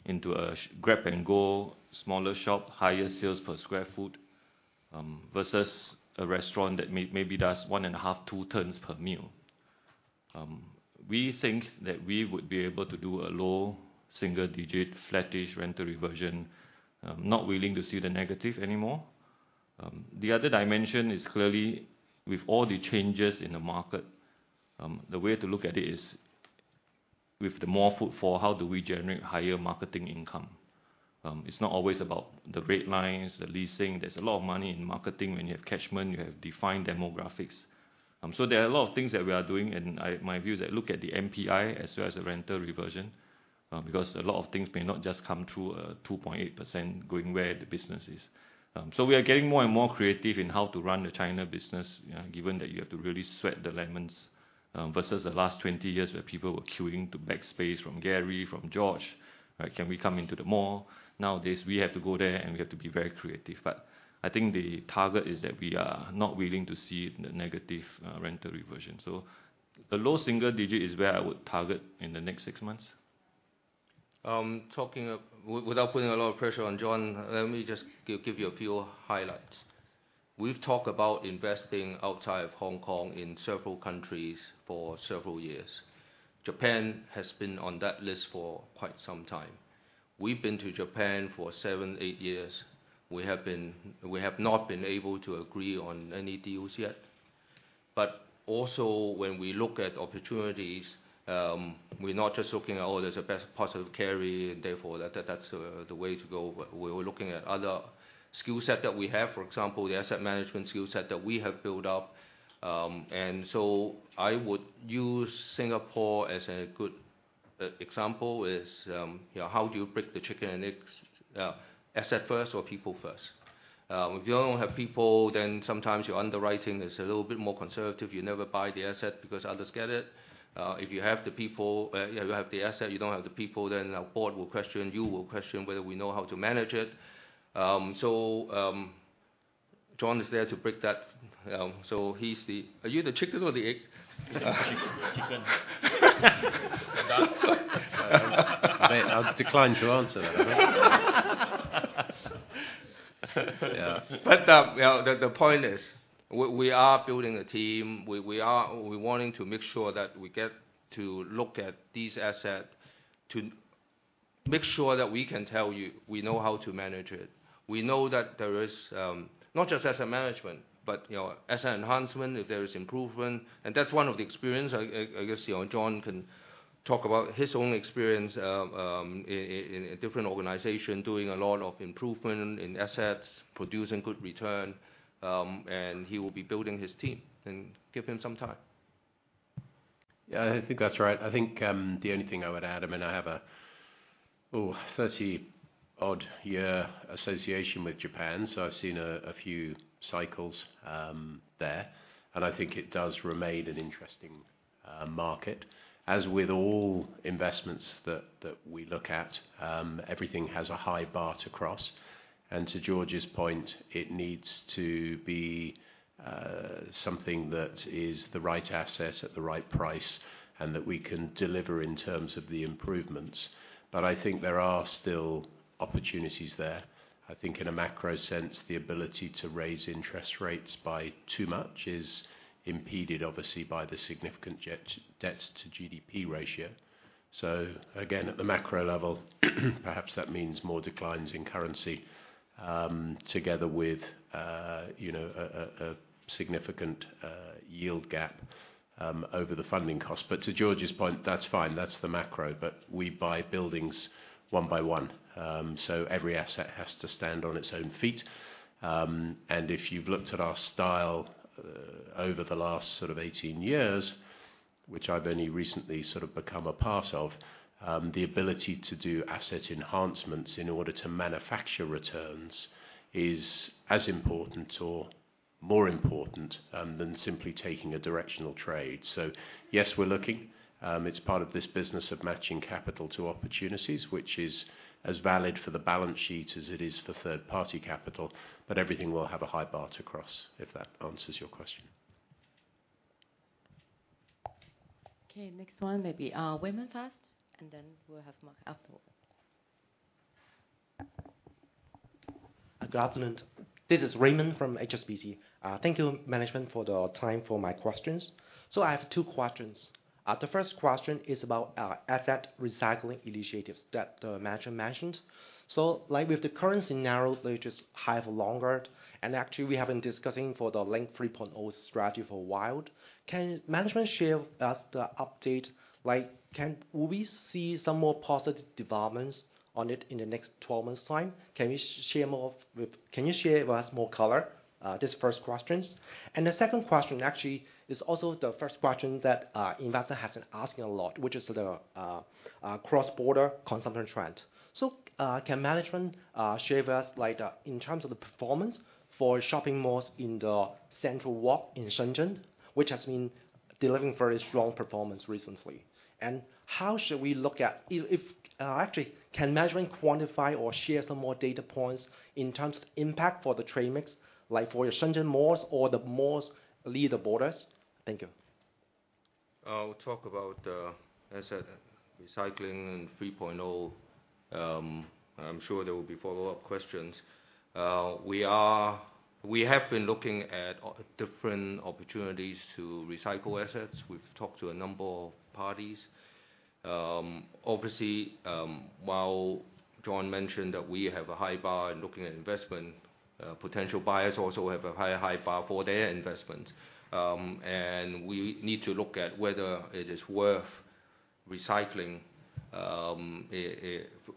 into a grab-and-go smaller shop, higher sales per sq ft versus a restaurant that maybe does 1.5, 2 turns per meal. We think that we would be able to do a low single-digit flattish rental reversion, not willing to see the negative anymore. The other dimension is clearly, with all the changes in the market, the way to look at it is with the more footfall, how do we generate higher marketing income? It's not always about the red lines, the leasing. There's a lot of money in marketing when you have catchment. You have defined demographics. So there are a lot of things that we are doing. And my view is that look at the MPI as well as the rental reversion because a lot of things may not just come through a 2.8% going where the business is. So we are getting more and more creative in how to run the China business, given that you have to really sweat the assets versus the last 20 years where people were queuing to lease space from Gary, from George. Can we come into the mall? Nowadays, we have to go there, and we have to be very creative. But I think the target is that we are not willing to see the negative rental reversion. So the low single digit is where I would target in the next six months. Without putting a lot of pressure on John, let me just give you a few highlights. We've talked about investing outside of Hong Kong in several countries for several years. Japan has been on that list for quite some time. We've been to Japan for 7-8 years. We have not been able to agree on any deals yet. But also, when we look at opportunities, we're not just looking at, "Oh, there's a positive carry, and therefore, that's the way to go." We're looking at other skill sets that we have, for example, the asset management skill set that we have built up. And so I would use Singapore as a good example as how do you break the chicken and eggs? Asset first or people first? If you don't have people, then sometimes your underwriting is a little bit more conservative. You never buy the asset because others get it. If you have the people, you have the asset; you don't have the people, then our board will question you, you will question whether we know how to manage it. So John is there to break that. So are you the chicken or the egg? I'll decline to answer that. But the point is, we are building a team. We're wanting to make sure that we get to look at these assets to make sure that we can tell you we know how to manage it. We know that there is not just asset management, but asset enhancement if there is improvement. And that's one of the experiences. I guess John can talk about his own experience in a different organization doing a lot of improvement in assets, producing good return. And he will be building his team. And give him some time. Yeah, I think that's right. I think the only thing I would add, I mean, I have a 30-odd year association with Japan. So I've seen a few cycles there. I think it does remain an interesting market. As with all investments that we look at, everything has a high bar to cross. To George's point, it needs to be something that is the right asset at the right price and that we can deliver in terms of the improvements. But I think there are still opportunities there. I think in a macro sense, the ability to raise interest rates by too much is impeded, obviously, by the significant debt-to-GDP ratio. Again, at the macro level, perhaps that means more declines in currency together with a significant yield gap over the funding cost. To George's point, that's fine. That's the macro. But we buy buildings one by one. So every asset has to stand on its own feet. And if you've looked at our style over the last sort of 18 years, which I've only recently sort of become a part of, the ability to do asset enhancements in order to manufacture returns is as important or more important than simply taking a directional trade. So yes, we're looking. It's part of this business of matching capital to opportunities, which is as valid for the balance sheet as it is for third-party capital. But everything will have a high bar to cross, if that answers your question. Okay. Next one, maybe Raymond first, and then we'll have Mark afterwards. Good afternoon. This is Raymond from HSBC. Thank you, management, for the time for my questions. So I have two questions. The first question is about asset recycling initiatives that the manager mentioned. So with the current scenario, they're just high for longer. And actually, we have been discussing for the Link 3.0 strategy for a while. Can management share with us the update? Will we see some more positive developments on it in the next 12 months' time? Can you share more can you share with us more color? These first questions. And the second question, actually, is also the first question that investors have been asking a lot, which is the cross-border consumption trend. So can management share with us, in terms of the performance for shopping malls in the CentralWalk in Shenzhen, which has been delivering very strong performance recently? How should we look at actually, can management quantify or share some more data points in terms of impact for the trade mix, like for your Shenzhen malls or the malls near the borders? Thank you. I'll talk about asset recycling and 3.0. I'm sure there will be follow-up questions. We have been looking at different opportunities to recycle assets. We've talked to a number of parties. Obviously, while John mentioned that we have a high bar in looking at investment, potential buyers also have a higher high bar for their investments. We need to look at whether it is worth recycling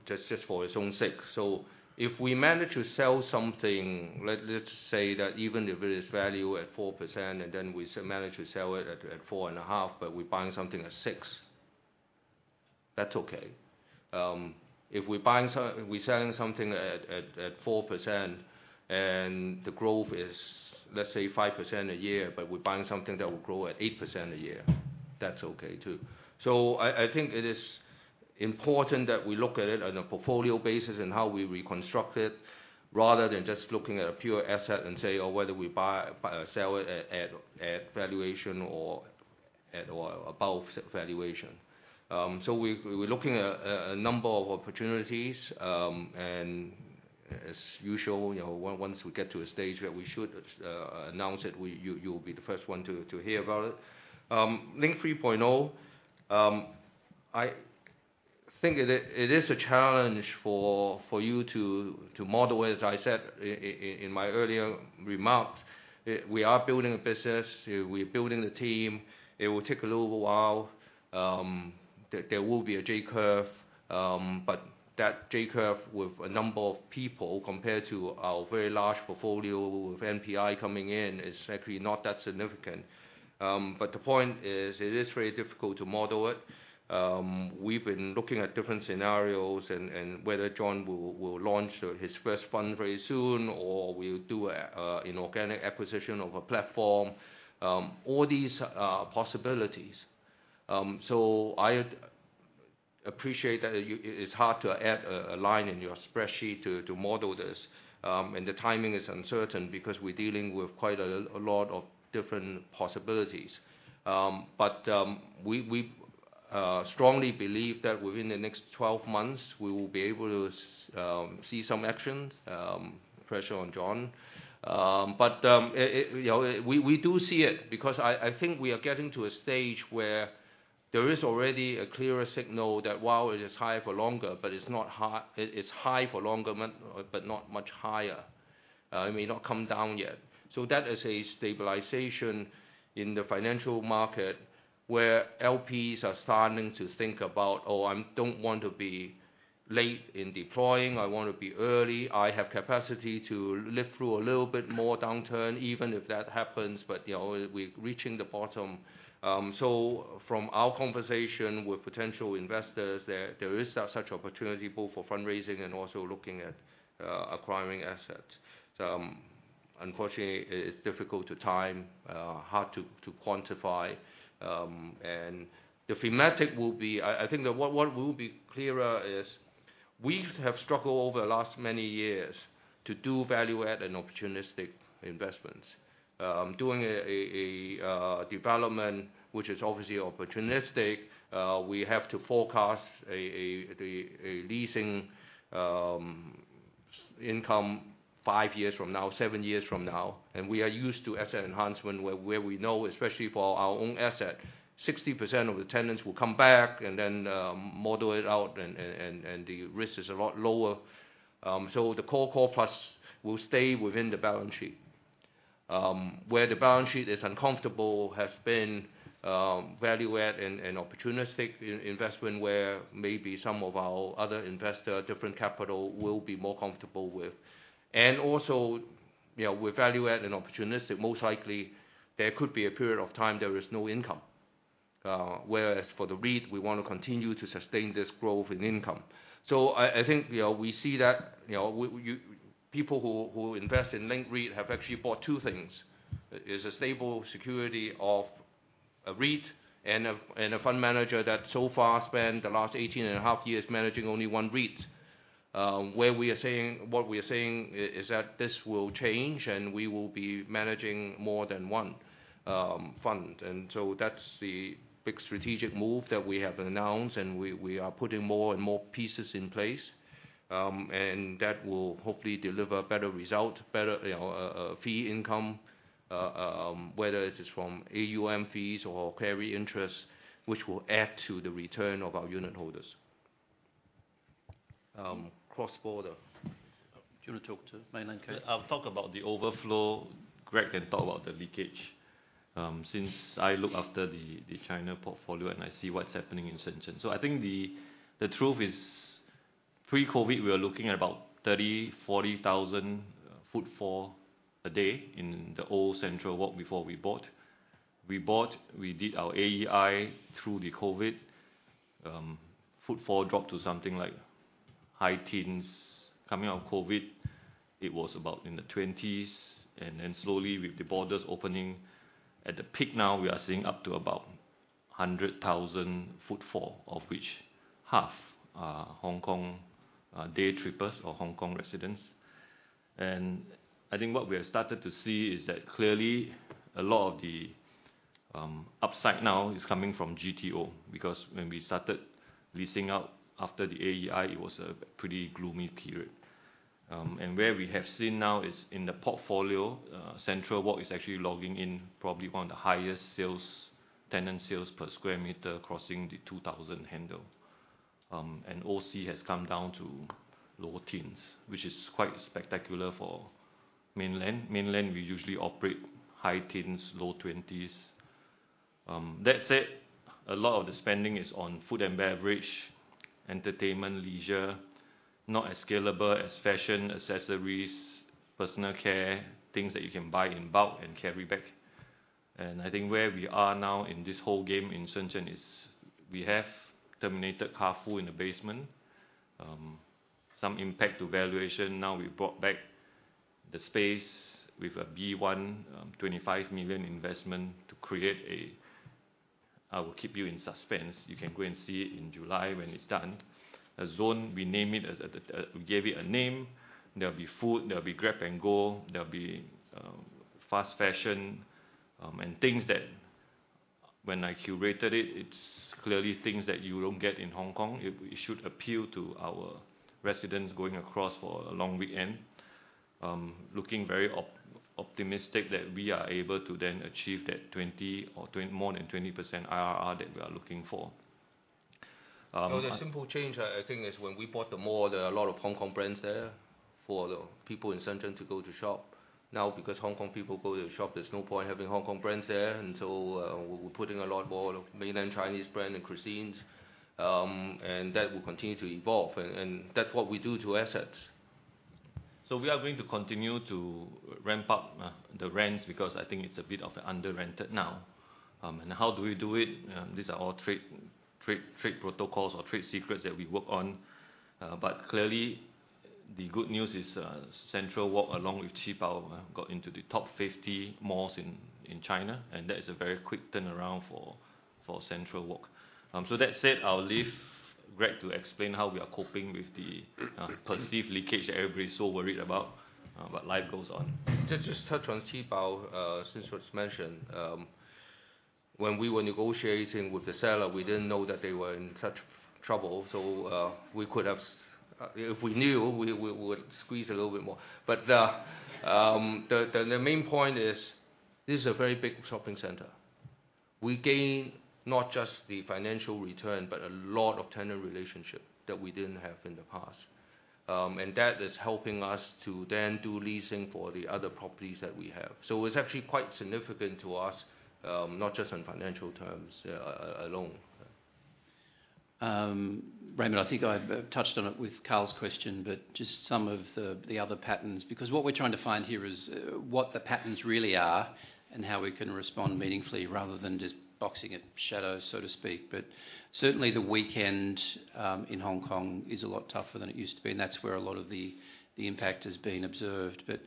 just for its own sake. So if we manage to sell something let's say that even if it is valued at 4% and then we manage to sell it at 4.5, but we're buying something at 6%, that's okay. If we're selling something at 4% and the growth is, let's say, 5% a year, but we're buying something that will grow at 8% a year, that's okay too. I think it is important that we look at it on a portfolio basis and how we reconstruct it rather than just looking at a pure asset and say, "Oh, whether we buy or sell it at valuation or above valuation." We're looking at a number of opportunities. As usual, once we get to a stage where we should announce it, you'll be the first one to hear about it. Link 3.0, I think it is a challenge for you to model it. As I said in my earlier remarks, we are building a business. We're building the team. It will take a little while. There will be a J-curve. But that J-curve with a number of people compared to our very large portfolio with NPI coming in is actually not that significant. But the point is, it is very difficult to model it. We've been looking at different scenarios and whether John will launch his first fund very soon or will do an organic acquisition of a platform, all these possibilities. I appreciate that it's hard to add a line in your spreadsheet to model this. The timing is uncertain because we're dealing with quite a lot of different possibilities. We strongly believe that within the next 12 months, we will be able to see some action. Pressure on John. We do see it because I think we are getting to a stage where there is already a clearer signal that, while it is high for longer, but it's not high for longer, but not much higher. It may not come down yet. That is a stabilization in the financial market where LPs are starting to think about, "Oh, I don't want to be late in deploying. I want to be early. I have capacity to live through a little bit more downturn, even if that happens, but we're reaching the bottom." So from our conversation with potential investors, there is such opportunity both for fundraising and also looking at acquiring assets. Unfortunately, it's difficult to time, hard to quantify. The thematic will be, I think, what will be clearer is we have struggled over the last many years to do value-add and opportunistic investments. Doing a development, which is obviously opportunistic, we have to forecast a leasing income five years from now, seven years from now. We are used to asset enhancement where we know, especially for our own asset, 60% of the tenants will come back and then model it out, and the risk is a lot lower. So the core core plus will stay within the balance sheet. Where the balance sheet is uncomfortable has been value-add and opportunistic investment where maybe some of our other investor, different capital, will be more comfortable with. Also, with value-add and opportunistic, most likely, there could be a period of time there is no income. Whereas for the REIT, we want to continue to sustain this growth in income. So I think we see that people who invest in Link REIT have actually bought two things. It's a stable security of a REIT and a fund manager that so far spent the last 18.5 years managing only one REIT. What we are saying is that this will change, and we will be managing more than one fund. So that's the big strategic move that we have announced. We are putting more and more pieces in place. That will hopefully deliver better result, better fee income, whether it is from AUM fees or carry interest, which will add to the return of our unit holders. Cross-border. Do you want to talk to Mainland, KS? I'll talk about the overflow. Greg can talk about the leakage. Since I look after the China portfolio and I see what's happening in Shenzhen. So I think the truth is, pre-COVID, we were looking at about 30,000-40,000 footfall a day in the old CentralWalk before we bought. We did our AEI through the COVID. Footfall dropped to something like high teens. Coming out of COVID, it was about in the 20s. And then slowly, with the borders opening at the peak now, we are seeing up to about 100,000 footfall, of which half are Hong Kong day trippers or Hong Kong residents. And I think what we have started to see is that clearly, a lot of the upside now is coming from GTO because when we started leasing out after the AEI, it was a pretty gloomy period. And where we have seen now is in the portfolio, CentralWalk is actually logging in probably one of the highest tenant sales per square meter, crossing the 2,000 handle. And OC has come down to low teens, which is quite spectacular for mainland. Mainland, we usually operate high teens, low 20s. That said, a lot of the spending is on food and beverage, entertainment, leisure, not as scalable as fashion, accessories, personal care, things that you can buy in bulk and carry back. And I think where we are now in this whole game in Shenzhen is we have terminated Carrefour in the basement, some impact to valuation. Now, we've brought back the space with a B1, 25 million investment to create a. I will keep you in suspense. You can go and see it in July when it's done. A zone. We name it as we gave it a name. There'll be food. There'll be grab and go. There'll be fast fashion and things that when I curated it, it's clearly things that you don't get in Hong Kong. It should appeal to our residents going across for a long weekend, looking very optimistic that we are able to then achieve that 20% or more than 20% IRR that we are looking for. So the simple change, I think, is when we bought the mall, there are a lot of Hong Kong brands there for the people in Shenzhen to go to shop. Now, because Hong Kong people go to the shop, there's no point having Hong Kong brands there. And so we're putting a lot more mainland Chinese brand and cuisines. And that will continue to evolve. And that's what we do to assets. So we are going to continue to ramp up the rents because I think it's a bit under-rented now. And how do we do it? These are all trade protocols or trade secrets that we work on. But clearly, the good news is CentralWalk, along with Qibao, got into the top 50 malls in China. And that is a very quick turnaround for CentralWalk. So that said, I'll leave Greg to explain how we are coping with the perceived leakage that everybody's so worried about. But life goes on. To just touch on Qibao, since you just mentioned, when we were negotiating with the seller, we didn't know that they were in such trouble. So we could have, if we knew, we would squeeze a little bit more. But the main point is this is a very big shopping center. We gain not just the financial return, but a lot of tenant relationship that we didn't have in the past. And that is helping us to then do leasing for the other properties that we have. So it's actually quite significant to us, not just on financial terms alone. Raymond, I think I've touched on it with Karl's question, but just some of the other patterns. Because what we're trying to find here is what the patterns really are and how we can respond meaningfully rather than just shadow boxing, so to speak. But certainly, the weekend in Hong Kong is a lot tougher than it used to be. And that's where a lot of the impact has been observed. But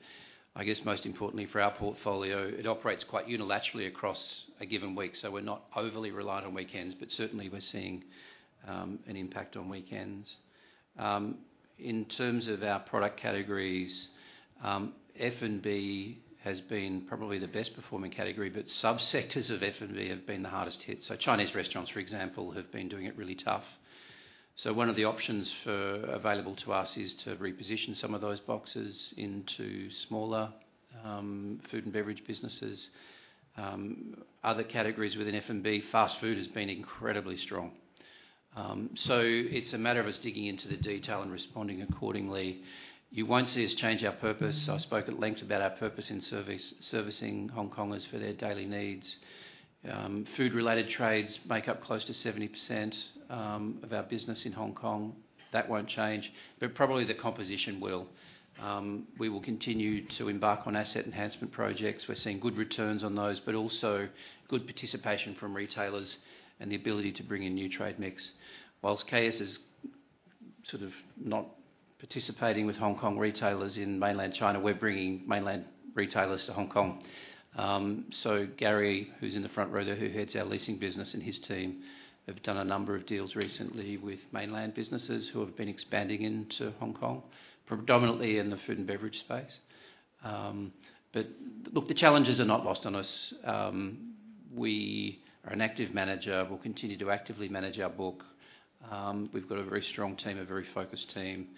I guess, most importantly, for our portfolio, it operates quite unilaterally across a given week. So we're not overly reliant on weekends. But certainly, we're seeing an impact on weekends. In terms of our product categories, F&B has been probably the best-performing category. But subsectors of F&B have been the hardest hit. So Chinese restaurants, for example, have been doing it really tough. So one of the options available to us is to reposition some of those boxes into smaller food and beverage businesses. Other categories within F&B, fast food has been incredibly strong. So it's a matter of us digging into the detail and responding accordingly. You won't see us change our purpose. I spoke at length about our purpose in servicing Hong Kongers for their daily needs. Food-related trades make up close to 70% of our business in Hong Kong. That won't change. But probably the composition will. We will continue to embark on asset enhancement projects. We're seeing good returns on those, but also good participation from retailers and the ability to bring in new trade mix. While KS is sort of not participating with Hong Kong retailers in Mainland China, we're bringing mainland retailers to Hong Kong. So Gary, who's in the front row there, who heads our leasing business and his team, have done a number of deals recently with mainland businesses who have been expanding into Hong Kong, predominantly in the food and beverage space. But look, the challenges are not lost on us. We are an active manager. We'll continue to actively manage our book. We've got a very strong team, a very focused team.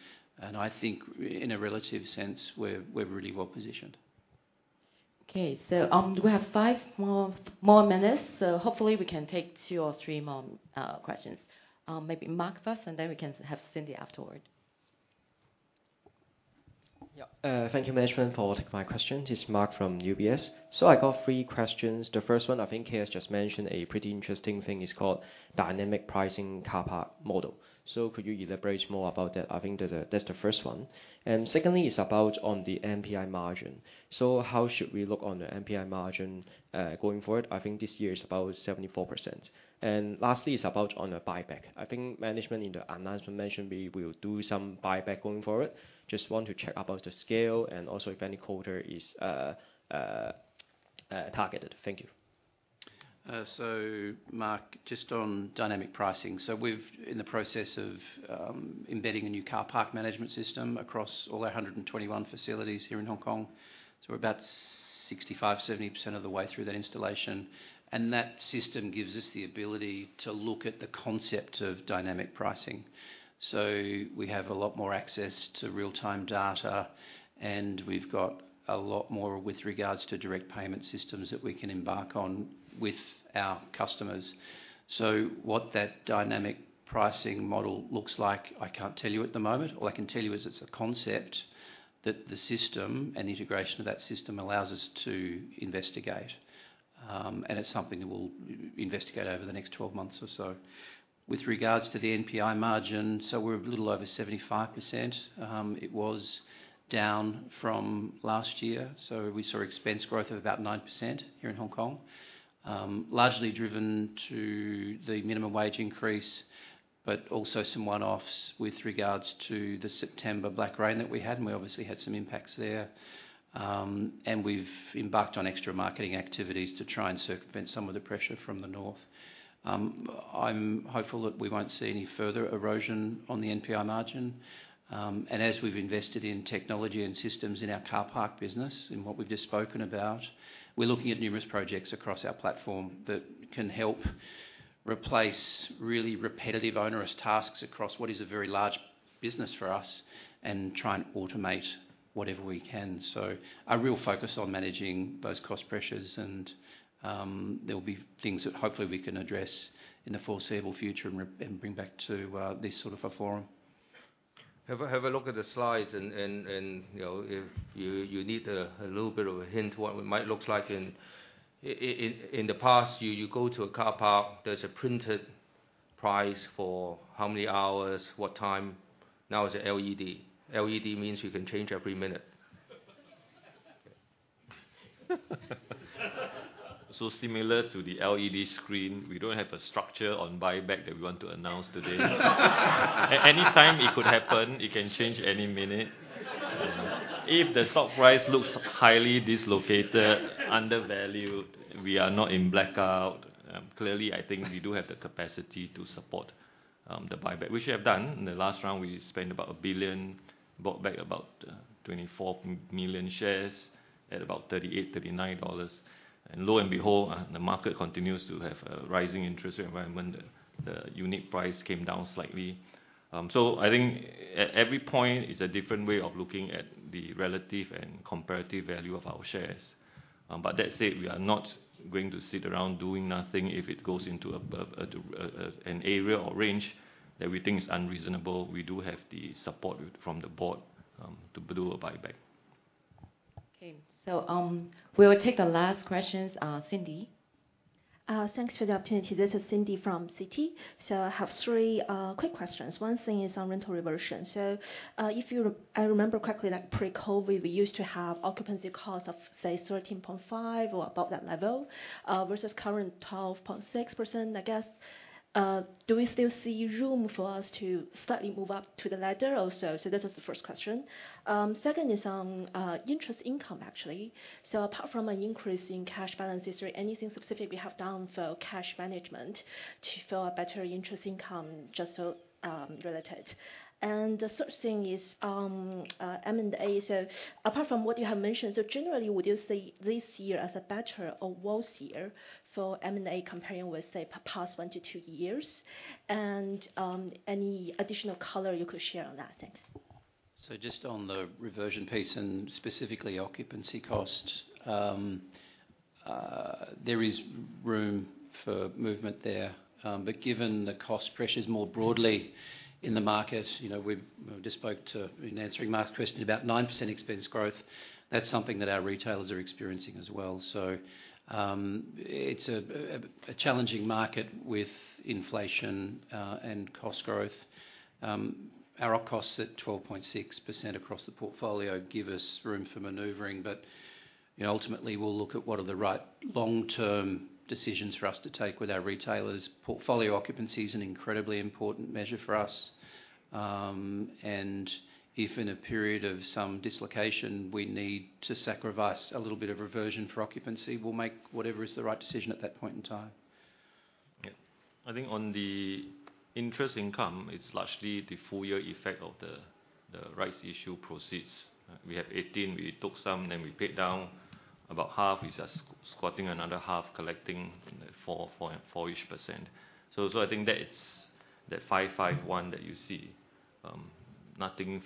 And I think, in a relative sense, we're really well positioned. Okay. We have 5 more minutes. Hopefully, we can take 2 or 3 more questions. Maybe Mark first, and then we can have Cindy afterward. Thank you, management, for taking my question. This is Mark from UBS. So I got three questions. The first one, I think KS just mentioned a pretty interesting thing. It's called dynamic pricing car park model. So could you elaborate more about that? I think that's the first one. And secondly, it's about the NPI margin. So how should we look on the NPI margin going forward? I think this year is about 74%. And lastly, it's about buyback. I think management in the announcement mentioned we will do some buyback going forward. Just want to check about the scale and also if any quarter is targeted. Thank you. So Mark, just on dynamic pricing. So we're in the process of embedding a new car park management system across all our 121 facilities here in Hong Kong. So we're about 65%-70% of the way through that installation. And that system gives us the ability to look at the concept of dynamic pricing. So we have a lot more access to real-time data. And we've got a lot more with regards to direct payment systems that we can embark on with our customers. So what that dynamic pricing model looks like, I can't tell you at the moment. All I can tell you is it's a concept that the system and the integration of that system allows us to investigate. And it's something that we'll investigate over the next 12 months or so. With regards to the NPI margin, so we're a little over 75%. It was down from last year. We saw expense growth of about 9% here in Hong Kong, largely driven to the minimum wage increase, but also some one-offs with regards to the September Black Rain that we had. We obviously had some impacts there. We've embarked on extra marketing activities to try and circumvent some of the pressure from the north. I'm hopeful that we won't see any further erosion on the NPI margin. As we've invested in technology and systems in our car park business, in what we've just spoken about, we're looking at numerous projects across our platform that can help replace really repetitive, onerous tasks across what is a very large business for us and try and automate whatever we can. A real focus on managing those cost pressures. There will be things that hopefully we can address in the foreseeable future and bring back to this sort of a forum. Have a look at the slides. If you need a little bit of a hint to what it might look like in the past, you go to a car park. There's a printed price for how many hours, what time. Now it's an LED. LED means you can change every minute. So similar to the LED screen, we don't have a structure on buyback that we want to announce today. At any time, it could happen. It can change any minute. If the stock price looks highly dislocated, undervalued, we are not in blackout. Clearly, I think we do have the capacity to support the buyback, which we have done. In the last round, we spent about 1 billion, bought back about 24 million shares at about 38-39 dollars. And lo and behold, the market continues to have a rising interest rate environment. The unit price came down slightly. So I think at every point, it's a different way of looking at the relative and comparative value of our shares. But that said, we are not going to sit around doing nothing if it goes into an area or range that we think is unreasonable. We do have the support from the board to do a buyback. Okay. So we will take the last questions. Cindy. Thanks for the opportunity. This is Cindy from Citi. So I have three quick questions. One thing is on rental reversion. So if I remember correctly, pre-COVID, we used to have occupancy costs of, say, 13.5% or above that level versus current 12.6%, I guess. Do we still see room for us to slightly move up to the ladder or so? So this is the first question. Second is on interest income, actually. So apart from an increase in cash balance history, anything specific we have done for cash management to fill a better interest income just so related? And the third thing is M&A. So apart from what you have mentioned, so generally, would you say this year as a better or worse year for M&A comparing with, say, past one to two years? Any additional color you could share on that? Thanks. So just on the reversion piece and specifically occupancy costs, there is room for movement there. But given the cost pressures more broadly in the market, we just spoke to in answering Mark's question about 9% expense growth, that's something that our retailers are experiencing as well. So it's a challenging market with inflation and cost growth. Our op costs at 12.6% across the portfolio give us room for maneuvering. But ultimately, we'll look at what are the right long-term decisions for us to take with our retailers. Portfolio occupancy is an incredibly important measure for us. And if in a period of some dislocation, we need to sacrifice a little bit of reversion for occupancy, we'll make whatever is the right decision at that point in time. Yeah. I think on the interest income, it's largely the full-year effect of the rights issue proceeds. We have 18. We took some, then we paid down about half. We're just sitting on another half, collecting 4%-ish. So I think that's that 551 that you see. Nothing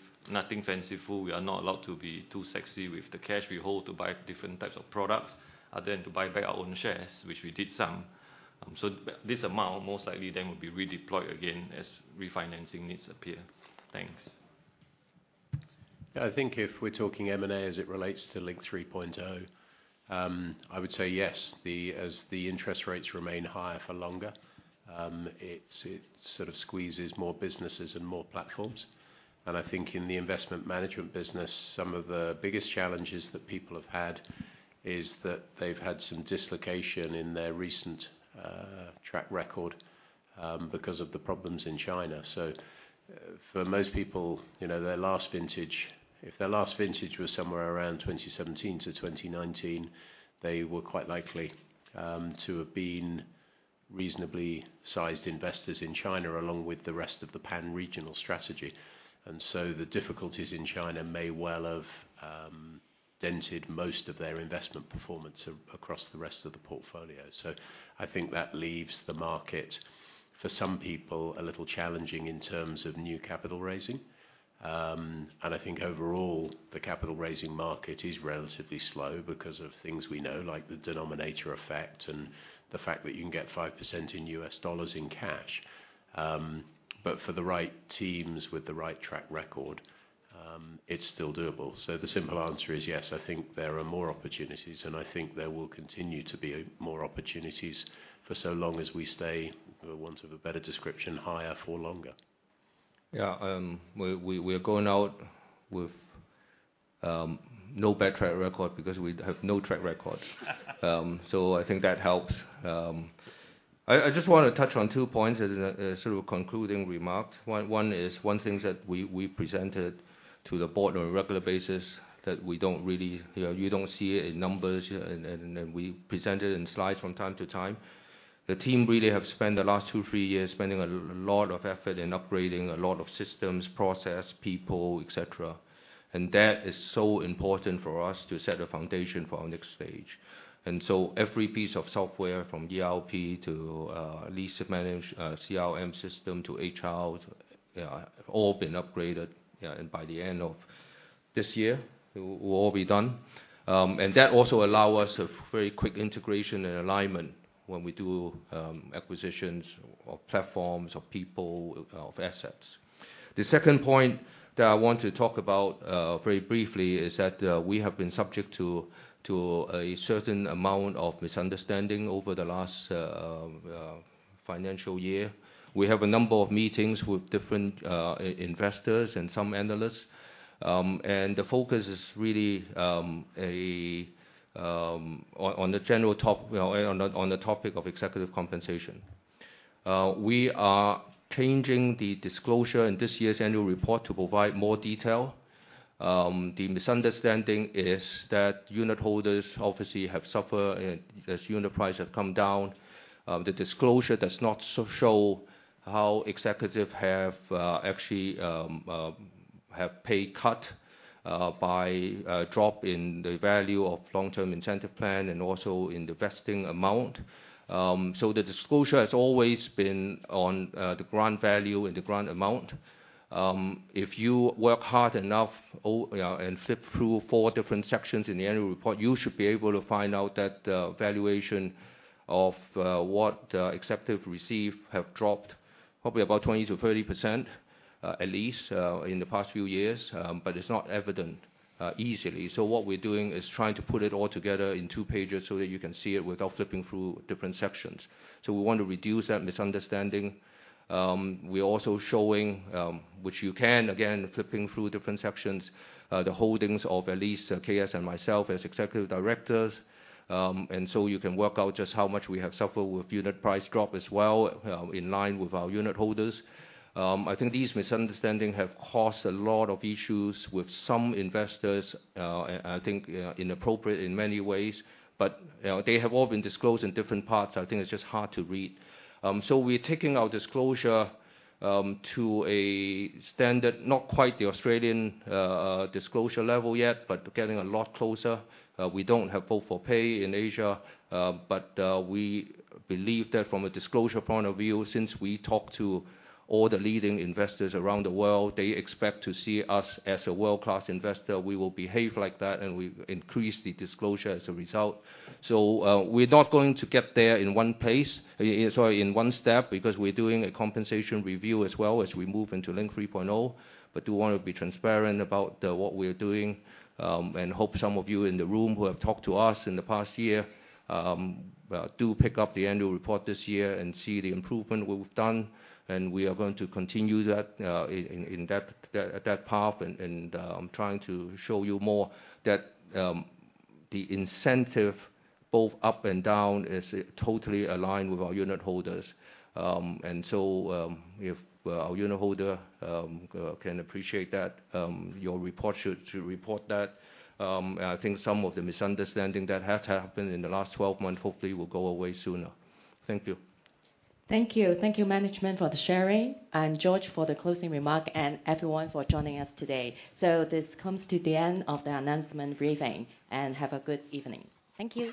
fanciful. We are not allowed to be too sexy with the cash we hold to buy different types of products other than to buy back our own shares, which we did some. So this amount most likely then will be redeployed again as refinancing needs appear. Thanks. Yeah. I think if we're talking M&A as it relates to Link 3.0, I would say yes. As the interest rates remain higher for longer, it sort of squeezes more businesses and more platforms. And I think in the investment management business, some of the biggest challenges that people have had is that they've had some dislocation in their recent track record because of the problems in China. So for most people, if their last vintage was somewhere around 2017-2019, they were quite likely to have been reasonably-sized investors in China along with the rest of the pan-regional strategy. And so the difficulties in China may well have dented most of their investment performance across the rest of the portfolio. So I think that leaves the market, for some people, a little challenging in terms of new capital raising. I think overall, the capital raising market is relatively slow because of things we know, like the denominator effect and the fact that you can get 5% in U.S. dollars in cash. But for the right teams with the right track record, it's still doable. So the simple answer is yes. I think there are more opportunities. And I think there will continue to be more opportunities for so long as we stay, for want of a better description, higher for longer. Yeah. We are going out with no bad track record because we have no track record. So I think that helps. I just want to touch on two points as a sort of concluding remark. One is one thing that we presented to the board on a regular basis that we don't really you don't see it in numbers. And we present it in slides from time to time. The team really have spent the last 2-3 years spending a lot of effort in upgrading a lot of systems, process, people, etc. And that is so important for us to set the foundation for our next stage. And so every piece of software, from ERP to lease-managed CRM system to HR, all been upgraded. And by the end of this year, we'll all be done. And that also allows us a very quick integration and alignment when we do acquisitions of platforms or people or assets. The second point that I want to talk about very briefly is that we have been subject to a certain amount of misunderstanding over the last financial year. We have a number of meetings with different investors and some analysts. And the focus is really on the general topic of executive compensation. We are changing the disclosure in this year's annual report to provide more detail. The misunderstanding is that unit holders obviously have suffered as unit price has come down. The disclosure does not show how executives actually have pay cut by a drop in the value of long-term incentive plan and also in the vesting amount. So the disclosure has always been on the grant value and the grant amount. If you work hard enough and flip through four different sections in the annual report, you should be able to find out that the valuation of what executives receive have dropped probably about 20%-30% at least in the past few years. But it's not evident easily. So what we're doing is trying to put it all together in two pages so that you can see it without flipping through different sections. So we want to reduce that misunderstanding. We're also showing, which you can, again, flipping through different sections, the holdings of at least KS and myself as executive directors. And so you can work out just how much we have suffered with unit price drop as well in line with our unit holders. I think these misunderstandings have caused a lot of issues with some investors, I think, inappropriate in many ways. They have all been disclosed in different parts. I think it's just hard to read. We're taking our disclosure to a standard, not quite the Australian disclosure level yet, but getting a lot closer. We don't have vote for pay in Asia. We believe that from a disclosure point of view, since we talk to all the leading investors around the world, they expect to see us as a world-class investor. We will behave like that. We increase the disclosure as a result. We're not going to get there in one place sorry, in one step because we're doing a compensation review as well as we move into Link 3.0. But do want to be transparent about what we're doing and hope some of you in the room who have talked to us in the past year do pick up the annual report this year and see the improvement we've done. And we are going to continue that in that path and trying to show you more that the incentive, both up and down, is totally aligned with our unit holders. And so if our unit holder can appreciate that, your report should report that. I think some of the misunderstanding that has happened in the last 12 months, hopefully, will go away sooner. Thank you. Thank you. Thank you, management, for the sharing. George, for the closing remark. Everyone for joining us today. So this comes to the end of the announcement briefing. Have a good evening. Thank you.